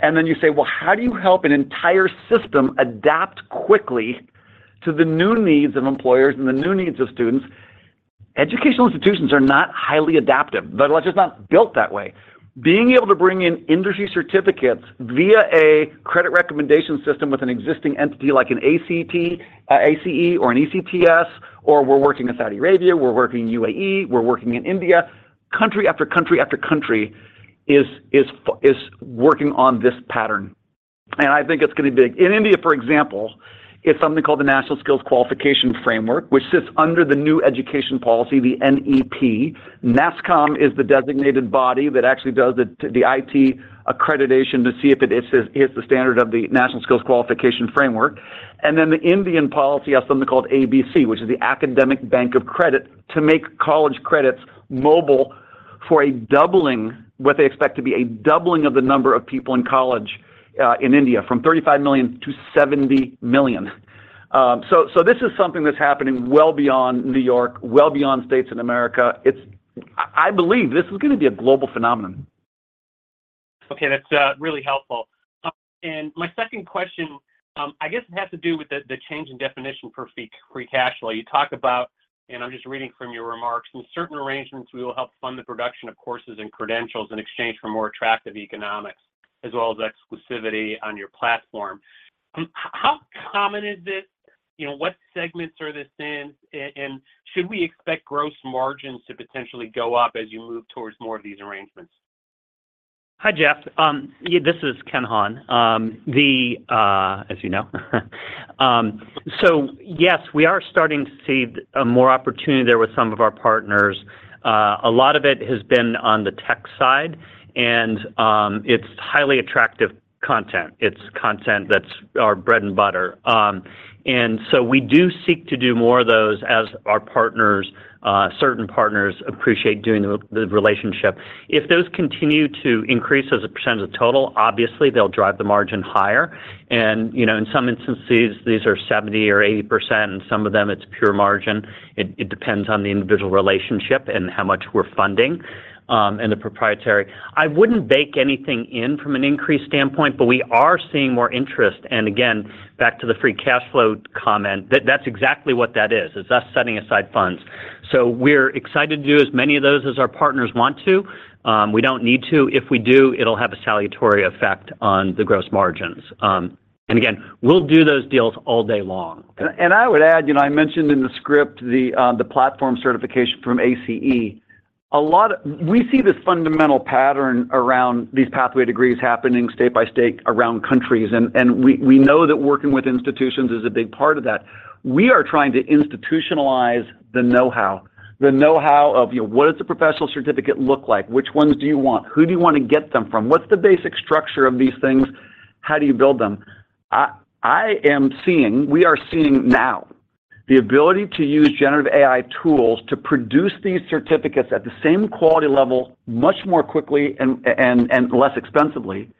[SPEAKER 3] and then you say, well, how do you help an entire system adapt quickly to the new needs of employers and the new needs of students? Educational institutions are not highly adaptive. They're just not built that way. Being able to bring in industry certificates via a credit recommendation system with an existing entity like an ACE or an ECTS, or we're working in Saudi Arabia, we're working in UAE, we're working in India. Country after country after country is working on this pattern, and I think it's gonna be big. In India, for example, it's something called the National Skills Qualifications Framework, which sits under the new education policy, the NEP. NASSCOM is the designated body that actually does the IT accreditation to see if it is the standard of the National Skills Qualifications Framework. And then, the Indian policy has something called ABC, which is the Academic Bank of Credit, to make college credits mobile for a doubling, what they expect to be a doubling of the number of people in college, in India, from 35 million-70 million. So, this is something that's happening well beyond New York, well beyond states in America. It's. I believe this is gonna be a global phenomenon.
[SPEAKER 7] Okay, that's really helpful. And my second question, I guess it has to do with the change in definition for Free Cash Flow. You talk about, and I'm just reading from your remarks: "In certain arrangements, we will help fund the production of courses and credentials in exchange for more attractive economics, as well as exclusivity on your platform." How common is this? You know, what segments are this in, and should we expect gross margins to potentially go up as you move towards more of these arrangements?
[SPEAKER 4] Hi, Jeff. Yeah, this is Ken Hahn. As you know. So yes, we are starting to see more opportunity there with some of our partners. A lot of it has been on the tech side, and it's highly attractive content. It's content that's our bread and butter. And so we do seek to do more of those as our partners, certain partners appreciate doing the relationship. If those continue to increase as a percentage of total, obviously they'll drive the margin higher. And, you know, in some instances, these are 70% or 80%, and some of them, it's pure margin. It depends on the individual relationship and how much we're funding, and the proprietary. I wouldn't bake anything in from an increase standpoint, but we are seeing more interest. Again, back to the free cash flow comment, that's exactly what that is, is us setting aside funds. So we're excited to do as many of those as our partners want to. We don't need to. If we do, it'll have a salutary effect on the gross margins. And again, we'll do those deals all day long.
[SPEAKER 3] I would add, you know, I mentioned in the script the platform certification from ACE. A lot of. We see this fundamental pattern around these pathway degrees happening state by state around countries, and we know that working with institutions is a big part of that. We are trying to institutionalize the know-how, the know-how of, you know, what does a professional certificate look like? Which ones do you want? Who do you want to get them from? What's the basic structure of these things? How do you build them? I am seeing, we are seeing now the ability to use generative AI tools to produce these certificates at the same quality level, much more quickly and less expensively,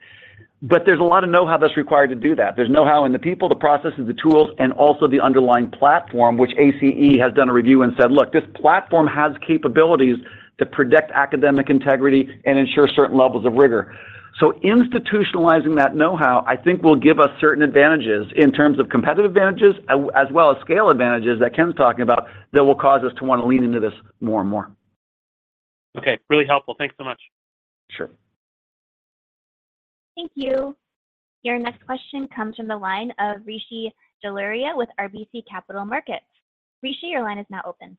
[SPEAKER 3] but there's a lot of know-how that's required to do that. There's know-how in the people, the processes, the tools, and also the underlying platform, which ACE has done a review and said, "Look, this platform has capabilities to protect academic integrity and ensure certain levels of rigor." So institutionalizing that know-how, I think, will give us certain advantages in terms of competitive advantages, as well as scale advantages that Ken's talking about, that will cause us to want to lean into this more and more.
[SPEAKER 7] Okay, really helpful. Thanks so much.
[SPEAKER 3] Sure.
[SPEAKER 1] Thank you. Your next question comes from the line of Rishi Jaluria with RBC Capital Markets. Rishi, your line is now open.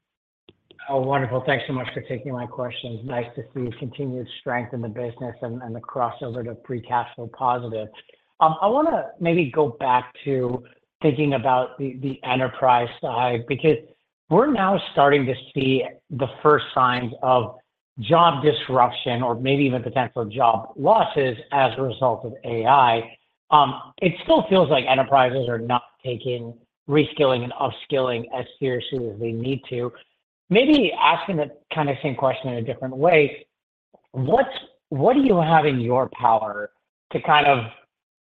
[SPEAKER 8] Oh, wonderful. Thanks so much for taking my questions. Nice to see the continued strength in the business and the crossover to Free Cash Flow positive. I wanna maybe go back to thinking about the enterprise side, because we're now starting to see the first signs of job disruption or maybe even potential job losses as a result of AI. It still feels like enterprises are not taking reskilling and upskilling as seriously as they need to. Maybe asking the kind of same question in a different way: What do you have in your power to kind of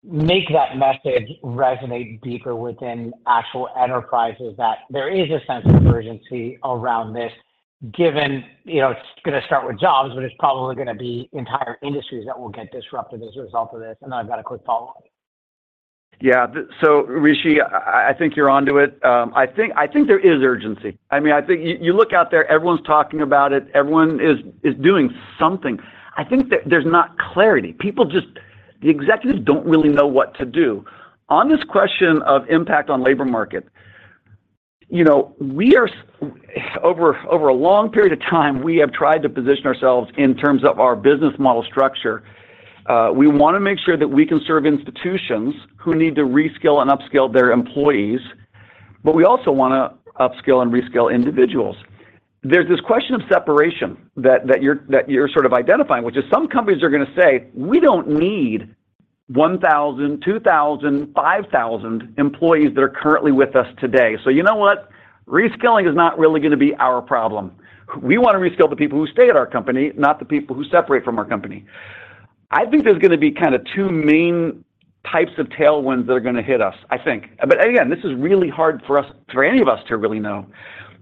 [SPEAKER 8] make that message resonate deeper within actual enterprises, that there is a sense of urgency around this, given, you know, it's going to start with jobs, but it's probably going to be entire industries that will get disrupted as a result of this? I've got a quick follow-up.
[SPEAKER 3] Yeah. So Rishi, I think you're onto it. I think there is urgency. I mean, I think you look out there, everyone's talking about it. Everyone is doing something. I think there's not clarity. People just, the executives don't really know what to do. On this question of impact on labor market, you know, we are. Over a long period of time, we have tried to position ourselves in terms of our business model structure. We want to make sure that we can serve institutions who need to reskill and upskill their employees, but we also want to upskill and reskill individuals. There's this question of separation that you're sort of identifying, which is some companies are going to say, "We don't need 1,000, 2,000, 5,000 employees that are currently with us today. So you know what? Reskilling is not really going to be our problem. We want to reskill the people who stay at our company, not the people who separate from our company." I think there's going to be kind of two main types of tailwinds that are going to hit us, I think. But again, this is really hard for us, for any of us to really know.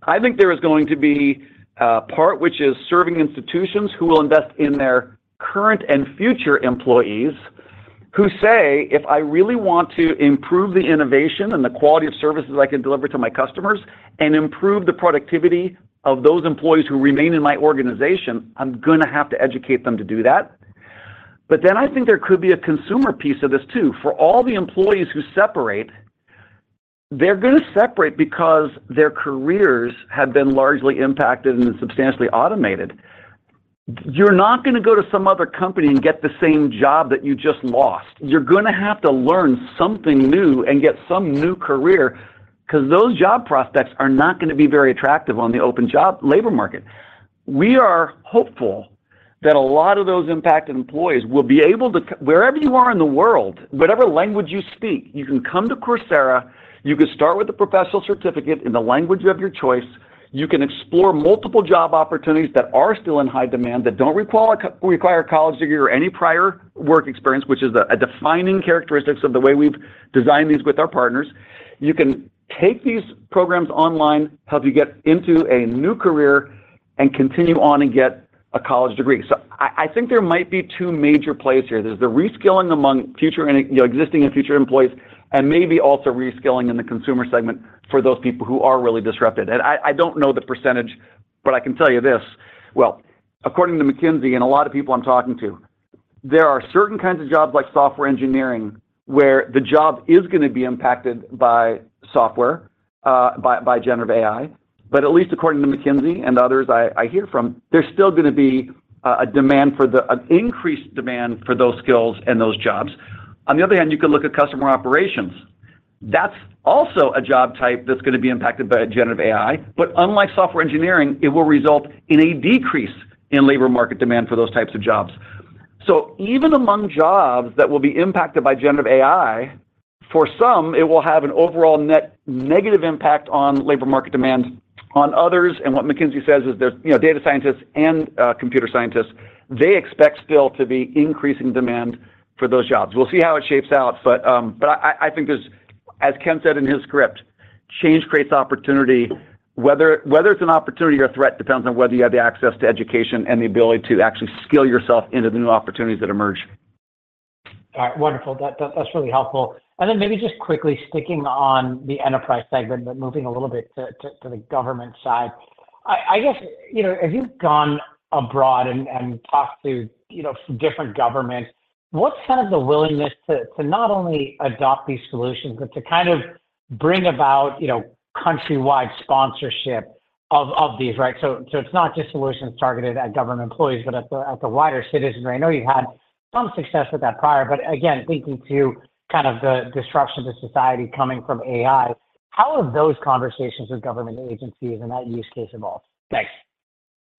[SPEAKER 3] I think there is going to be a part which is serving institutions who will invest in their current and future employees, who say, "If I really want to improve the innovation and the quality of services I can deliver to my customers and improve the productivity of those employees who remain in my organization, I'm going to have to educate them to do that." But then I think there could be a consumer piece of this, too. For all the employees who separate, they're going to separate because their careers have been largely impacted and substantially automated. You're not going to go to some other company and get the same job that you just lost. You're going to have to learn something new and get some new career, 'cause those job prospects are not going to be very attractive on the open job labor market. We are hopeful that a lot of those impacted employees will be able to wherever you are in the world, whatever language you speak, you can come to Coursera, you can start with a professional certificate in the language of your choice. You can explore multiple job opportunities that are still in high demand, that don't require require a college degree or any prior work experience, which is a defining characteristics of the way we've designed these with our partners. You can take these programs online, help you get into a new career and continue on and get a college degree. So I think there might be two major plays here. There's the reskilling among future and, you know, existing and future employees, and maybe also reskilling in the consumer segment for those people who are really disrupted. And I don't know the percentage, but I can tell you this: Well, according to McKinsey and a lot of people I'm talking to, there are certain kinds of jobs like software engineering, where the job is going to be impacted by generative AI. But at least according to McKinsey and others I hear from, there's still gonna be a demand for—an increased demand for those skills and those jobs. On the other hand, you can look at customer operations. That's also a job type that's gonna be impacted by generative AI, but unlike software engineering, it will result in a decrease in labor market demand for those types of jobs. So even among jobs that will be impacted by generative AI, for some, it will have an overall net negative impact on labor market demand. On others, and what McKinsey says is there's, you know, data scientists and, computer scientists, they expect still to be increasing demand for those jobs. We'll see how it shapes out, but I think there's, as Ken said in his script, change creates opportunity. Whether it's an opportunity or a threat depends on whether you have the access to education and the ability to actually skill yourself into the new opportunities that emerge.
[SPEAKER 8] All right. Wonderful. That, that's really helpful. And then maybe just quickly sticking on the enterprise segment, but moving a little bit to the government side. I guess, you know, as you've gone abroad and talked to, you know, some different governments, what's kind of the willingness to not only adopt these solutions, but to kind of bring about, you know, countrywide sponsorship of these, right? So it's not just solutions targeted at government employees, but at the wider citizenry. I know you've had some success with that prior, but again, thinking to kind of the disruption to society coming from AI, how have those conversations with government agencies and that use case evolved? Thanks.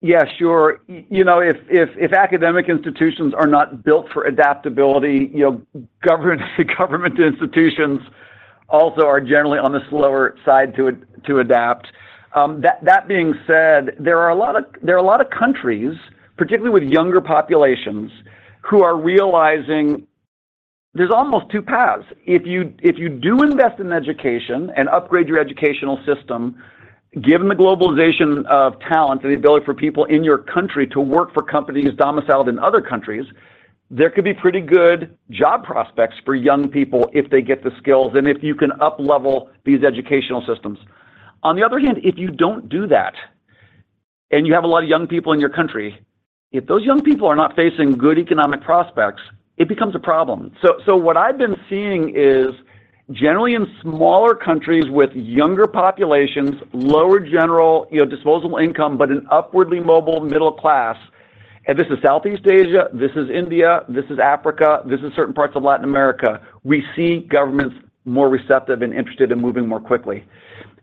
[SPEAKER 3] Yeah, sure. You know, if academic institutions are not built for adaptability, you know, government institutions also are generally on the slower side to adapt. That being said, there are a lot of countries, particularly with younger populations, who are realizing there's almost two paths. If you do invest in education and upgrade your educational system, given the globalization of talent and the ability for people in your country to work for companies domiciled in other countries, there could be pretty good job prospects for young people if they get the skills and if you can uplevel these educational systems. On the other hand, if you don't do that, and you have a lot of young people in your country, if those young people are not facing good economic prospects, it becomes a problem. So, what I've been seeing is, generally in smaller countries with younger populations, lower general, you know, disposable income, but an upwardly mobile middle class, and this is Southeast Asia, this is India, this is Africa, this is certain parts of Latin America, we see governments more receptive and interested in moving more quickly.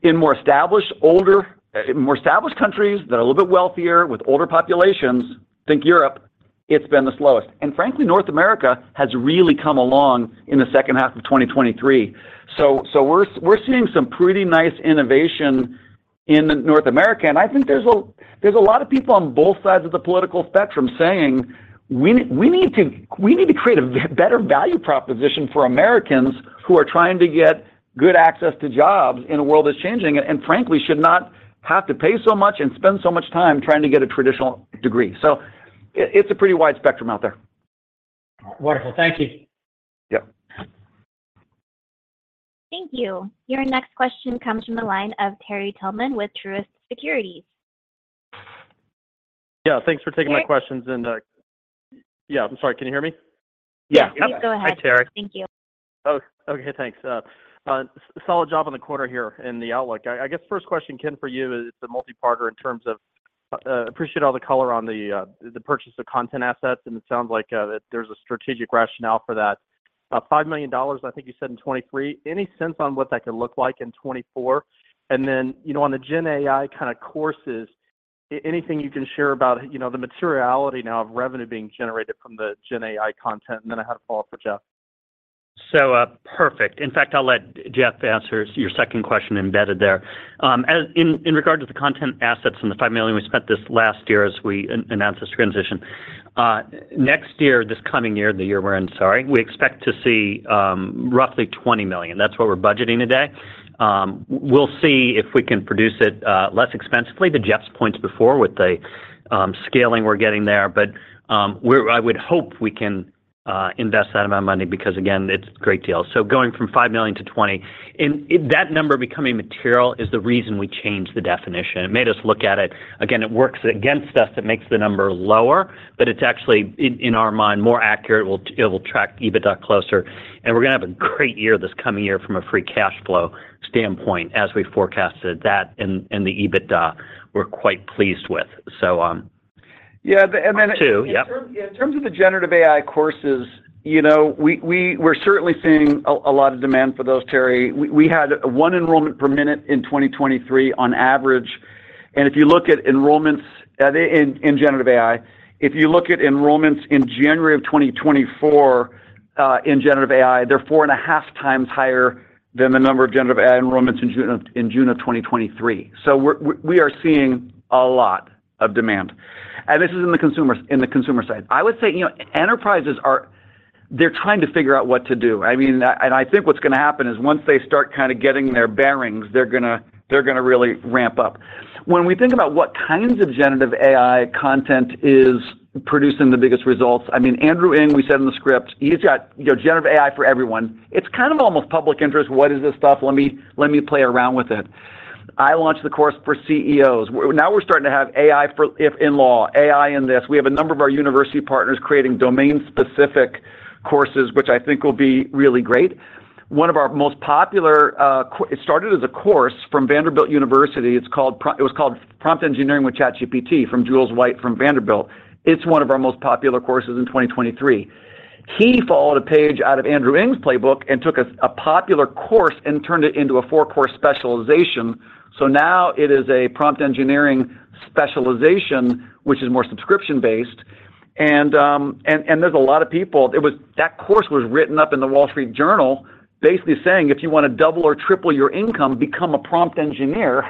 [SPEAKER 3] In more established, older... In more established countries that are a little bit wealthier with older populations, think Europe, it's been the slowest. Frankly, North America has really come along in the second half of 2023. So we're seeing some pretty nice innovation in North America, and I think there's a lot of people on both sides of the political spectrum saying, "We need to create a better value proposition for Americans who are trying to get good access to jobs in a world that's changing, and frankly, should not have to pay so much and spend so much time trying to get a traditional degree." So it's a pretty wide spectrum out there.
[SPEAKER 8] Wonderful. Thank you.
[SPEAKER 3] Yep.
[SPEAKER 1] Thank you. Your next question comes from the line of Terry Tillman with Truist Securities.
[SPEAKER 9] Yeah, thanks for taking my questions-
[SPEAKER 1] Terry?
[SPEAKER 9] And, yeah, I'm sorry, can you hear me?
[SPEAKER 3] Yeah.
[SPEAKER 1] Please go ahead.
[SPEAKER 3] Hi, Terry.
[SPEAKER 1] Thank you.
[SPEAKER 9] Oh, okay, thanks. Solid job on the quarter here and the outlook. I guess first question, Ken, for you is a multi-parter in terms of, appreciate all the color on the, the purchase of content assets, and it sounds like that there's a strategic rationale for that. $5 million, I think you said in 2023. Any sense on what that could look like in 2024? And then, you know, on the gen AI kind of courses, anything you can share about, you know, the materiality now of revenue being generated from the gen AI content? And then I have a follow-up for Jeff.
[SPEAKER 4] Perfect. In fact, I'll let Jeff answer your second question embedded there. As in, in regard to the content assets and the $5 million we spent this last year as we announced this transition, next year, this coming year, the year we're in, sorry, we expect to see, roughly $20 million. That's what we're budgeting today. We'll see if we can produce it, less expensively. To Jeff's points before with the, scaling we're getting there, but, we're. I would hope we can, invest that amount of money, because, again, it's a great deal. So going from $5 million-$20 million, and it. That number becoming material is the reason we changed the definition. It made us look at it. Again, it works against us. It makes the number lower, but it's actually, in, in our mind, more accurate. It will track EBITDA closer, and we're gonna have a great year this coming year from a Free Cash Flow standpoint, as we forecasted. That and the EBITDA, we're quite pleased with. So,
[SPEAKER 3] Yeah, and then.
[SPEAKER 4] Two. Yep.
[SPEAKER 3] Yeah, in terms of the Generative AI courses, you know, we're certainly seeing a lot of demand for those, Terry. We had one enrollment per minute in 2023 on average, and if you look at enrollments in Generative AI, if you look at enrollments in January of 2024 in Generative AI, they're 4.5x higher than the number of Generative AI enrollments in June of 2023. So we're seeing a lot of demand, and this is in the consumer side. I would say, you know, enterprises are trying to figure out what to do. I mean, and I think what's gonna happen is once they start kind of getting their bearings, they're gonna really ramp up. When we think about what kinds of generative AI content is producing the biggest results, I mean, Andrew Ng, we said in the script, he's got, you know, Generative AI for Everyone. It's kind of almost public interest. What is this stuff? Let me, let me play around with it.... I launched the course for CEOs. We're now starting to have AI for if in law, AI in this. We have a number of our university partners creating domain-specific courses, which I think will be really great. One of our most popular, it started as a course from Vanderbilt University. It's called Prompt Engineering with ChatGPT from Jules White from Vanderbilt. It's one of our most popular courses in 2023. He followed a page out of Andrew Ng's playbook and took a popular course and turned it into a four-course specialization. So now it is a prompt engineering specialization, which is more subscription-based, and, and there's a lot of people. That course was written up in the Wall Street Journal, basically saying, "If you wanna double or triple your income, become a prompt engineer."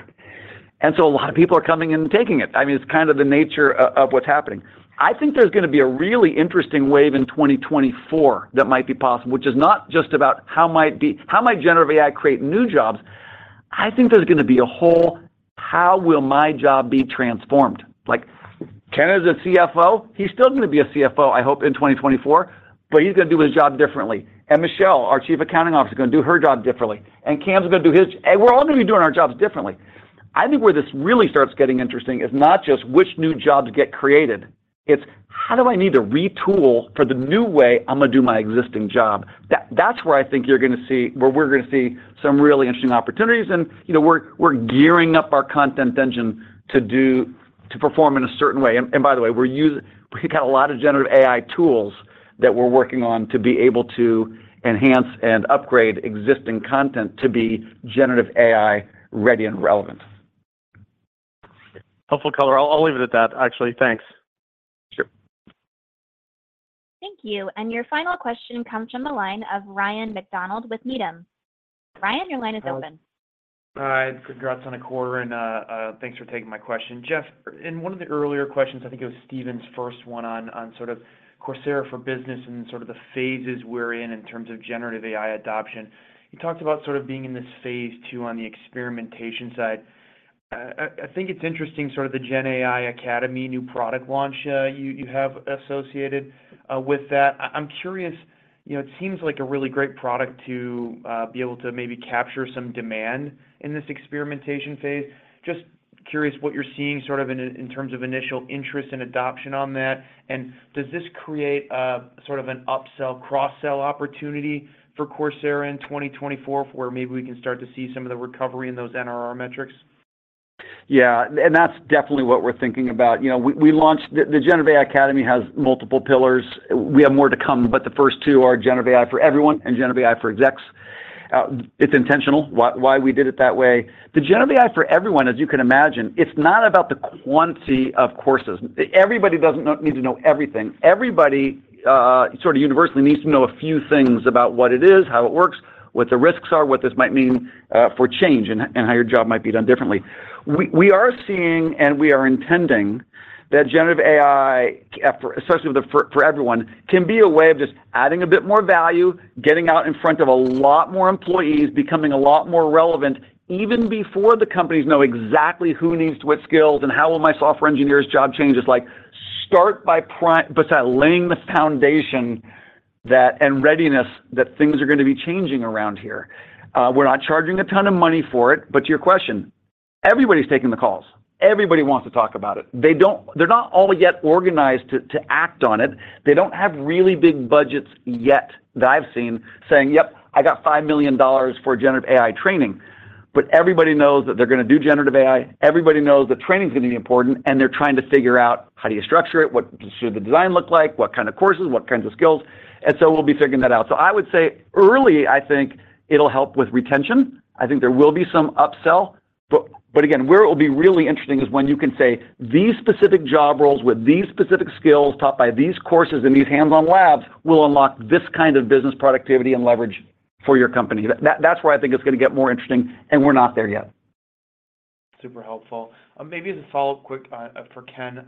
[SPEAKER 3] And so a lot of people are coming in and taking it. I mean, it's kind of the nature of what's happening. I think there's gonna be a really interesting wave in 2024 that might be possible, which is not just about how might generative AI create new jobs? I think there's gonna be a whole, "How will my job be transformed?" Like, Ken is a CFO. He's still gonna be a CFO, I hope, in 2024, but he's gonna do his job differently. And Michele, our Chief Accounting Officer, is gonna do her job differently, and Cam's gonna do his. And we're all gonna be doing our jobs differently. I think where this really starts getting interesting is not just which new jobs get created, it's how do I need to retool for the new way I'm gonna do my existing job? That's where I think you're gonna see where we're gonna see some really interesting opportunities. And, you know, we're gearing up our content engine to perform in a certain way. And by the way, we've got a lot of Generative AI tools that we're working on to be able to enhance and upgrade existing content to be Generative AI ready and relevant.
[SPEAKER 9] Helpful color. I'll leave it at that, actually. Thanks.
[SPEAKER 3] Sure.
[SPEAKER 1] Thank you. Your final question comes from the line of Ryan MacDonald with Needham. Ryan, your line is open.
[SPEAKER 10] Hi, congrats on the quarter, and thanks for taking my question. Jeff, in one of the earlier questions, I think it was Stephen's first one on sort of Coursera for Business and sort of the phases we're in in terms of Generative AI adoption, you talked about sort of being in this phase II on the experimentation side. I think it's interesting, sort of the GenAI Academy new product launch, you have associated with that. I'm curious, you know, it seems like a really great product to be able to maybe capture some demand in this experimentation phase. Just curious what you're seeing sort of in terms of initial interest and adoption on that, and does this create a sort of an upsell, cross-sell opportunity for Coursera in 2024, where maybe we can start to see some of the recovery in those NRR metrics?
[SPEAKER 3] Yeah, and that's definitely what we're thinking about. You know, we launched. The Generative AI Academy has multiple pillars. We have more to come, but the first two are Generative AI for Everyone and Generative AI for Execs. It's intentional why we did it that way. The Generative AI for Everyone, as you can imagine, it's not about the quantity of courses. Everybody doesn't need to know everything. Everybody sort of universally needs to know a few things about what it is, how it works, what the risks are, what this might mean for change, and how your job might be done differently. We are seeing, and we are intending, that Generative AI effort, especially with the for Everyone, can be a way of just adding a bit more value, getting out in front of a lot more employees, becoming a lot more relevant, even before the companies know exactly who needs what skills and how will my software engineer's job change? It's like start by besides laying the foundation that, and readiness, that things are gonna be changing around here. We're not charging a ton of money for it, but to your question, everybody's taking the calls. Everybody wants to talk about it. They're not all yet organized to act on it. They don't have really big budgets yet that I've seen, saying, "Yep, I got $5 million for Generative AI training." But everybody knows that they're gonna do Generative AI, everybody knows that training is gonna be important, and they're trying to figure out how do you structure it, what should the design look like, what kind of courses, what kinds of skills, and so we'll be figuring that out. So I would say early, I think it'll help with retention. I think there will be some upsell, but, but again, where it will be really interesting is when you can say, "These specific job roles with these specific skills, taught by these courses and these hands-on labs, will unlock this kind of business productivity and leverage for your company." That, that's where I think it's gonna get more interesting, and we're not there yet.
[SPEAKER 10] Super helpful. Maybe as a follow-up quick, for Ken.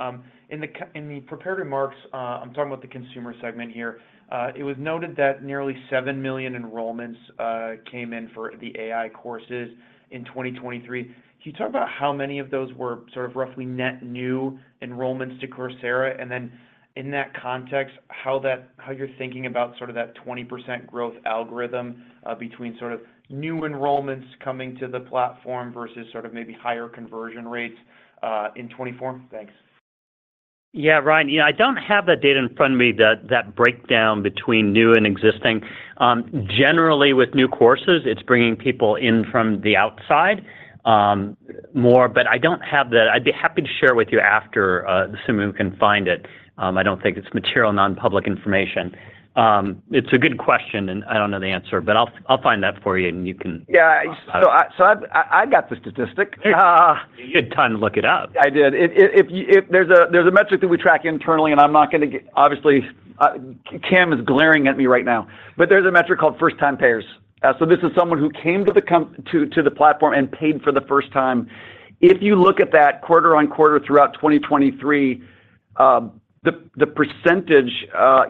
[SPEAKER 10] In the prepared remarks, I'm talking about the consumer segment here, it was noted that nearly 7 million enrollments came in for the AI courses in 2023. Can you talk about how many of those were sort of roughly net new enrollments to Coursera? And then in that context, how you're thinking about sort of that 20% growth algorithm, between sort of new enrollments coming to the platform versus sort of maybe higher conversion rates, in 2024? Thanks.
[SPEAKER 4] Yeah, Ryan, you know, I don't have that data in front of me, that breakdown between new and existing. Generally, with new courses, it's bringing people in from the outside, more, but I don't have that. I'd be happy to share with you after, assuming we can find it. I don't think it's material non-public information. It's a good question, and I don't know the answer, but I'll find that for you, and you can..
[SPEAKER 3] Yeah. So I've got the statistic.
[SPEAKER 4] You had time to look it up.
[SPEAKER 3] I did. If there's a metric that we track internally, and I'm not gonna get... Obviously, Cam is glaring at me right now. But there's a metric called first-time payers. So this is someone who came to the platform and paid for the first time. If you look at that quarter-on-quarter throughout 2023, the percentage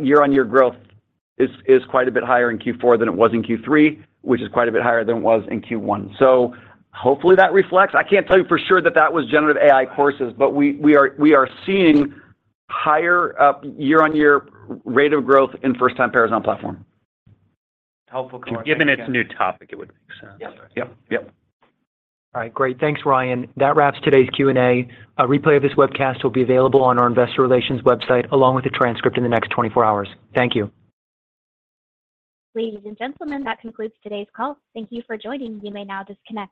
[SPEAKER 3] year-on-year growth is quite a bit higher in Q4 than it was in Q3, which is quite a bit higher than it was in Q1. So hopefully, that reflects. I can't tell you for sure that that was generative AI courses, but we are seeing higher year-on-year rate of growth in first-time payers on platform.
[SPEAKER 10] Helpful color-
[SPEAKER 4] Given it's a new topic, it would make sense.
[SPEAKER 10] Yep.
[SPEAKER 3] Yep. Yep.
[SPEAKER 2] All right. Great. Thanks, Ryan. That wraps today's Q&A. A replay of this webcast will be available on our investor relations website, along with the transcript in the next 24 hours. Thank you.
[SPEAKER 1] Ladies and gentlemen, that concludes today's call. Thank you for joining. You may now disconnect.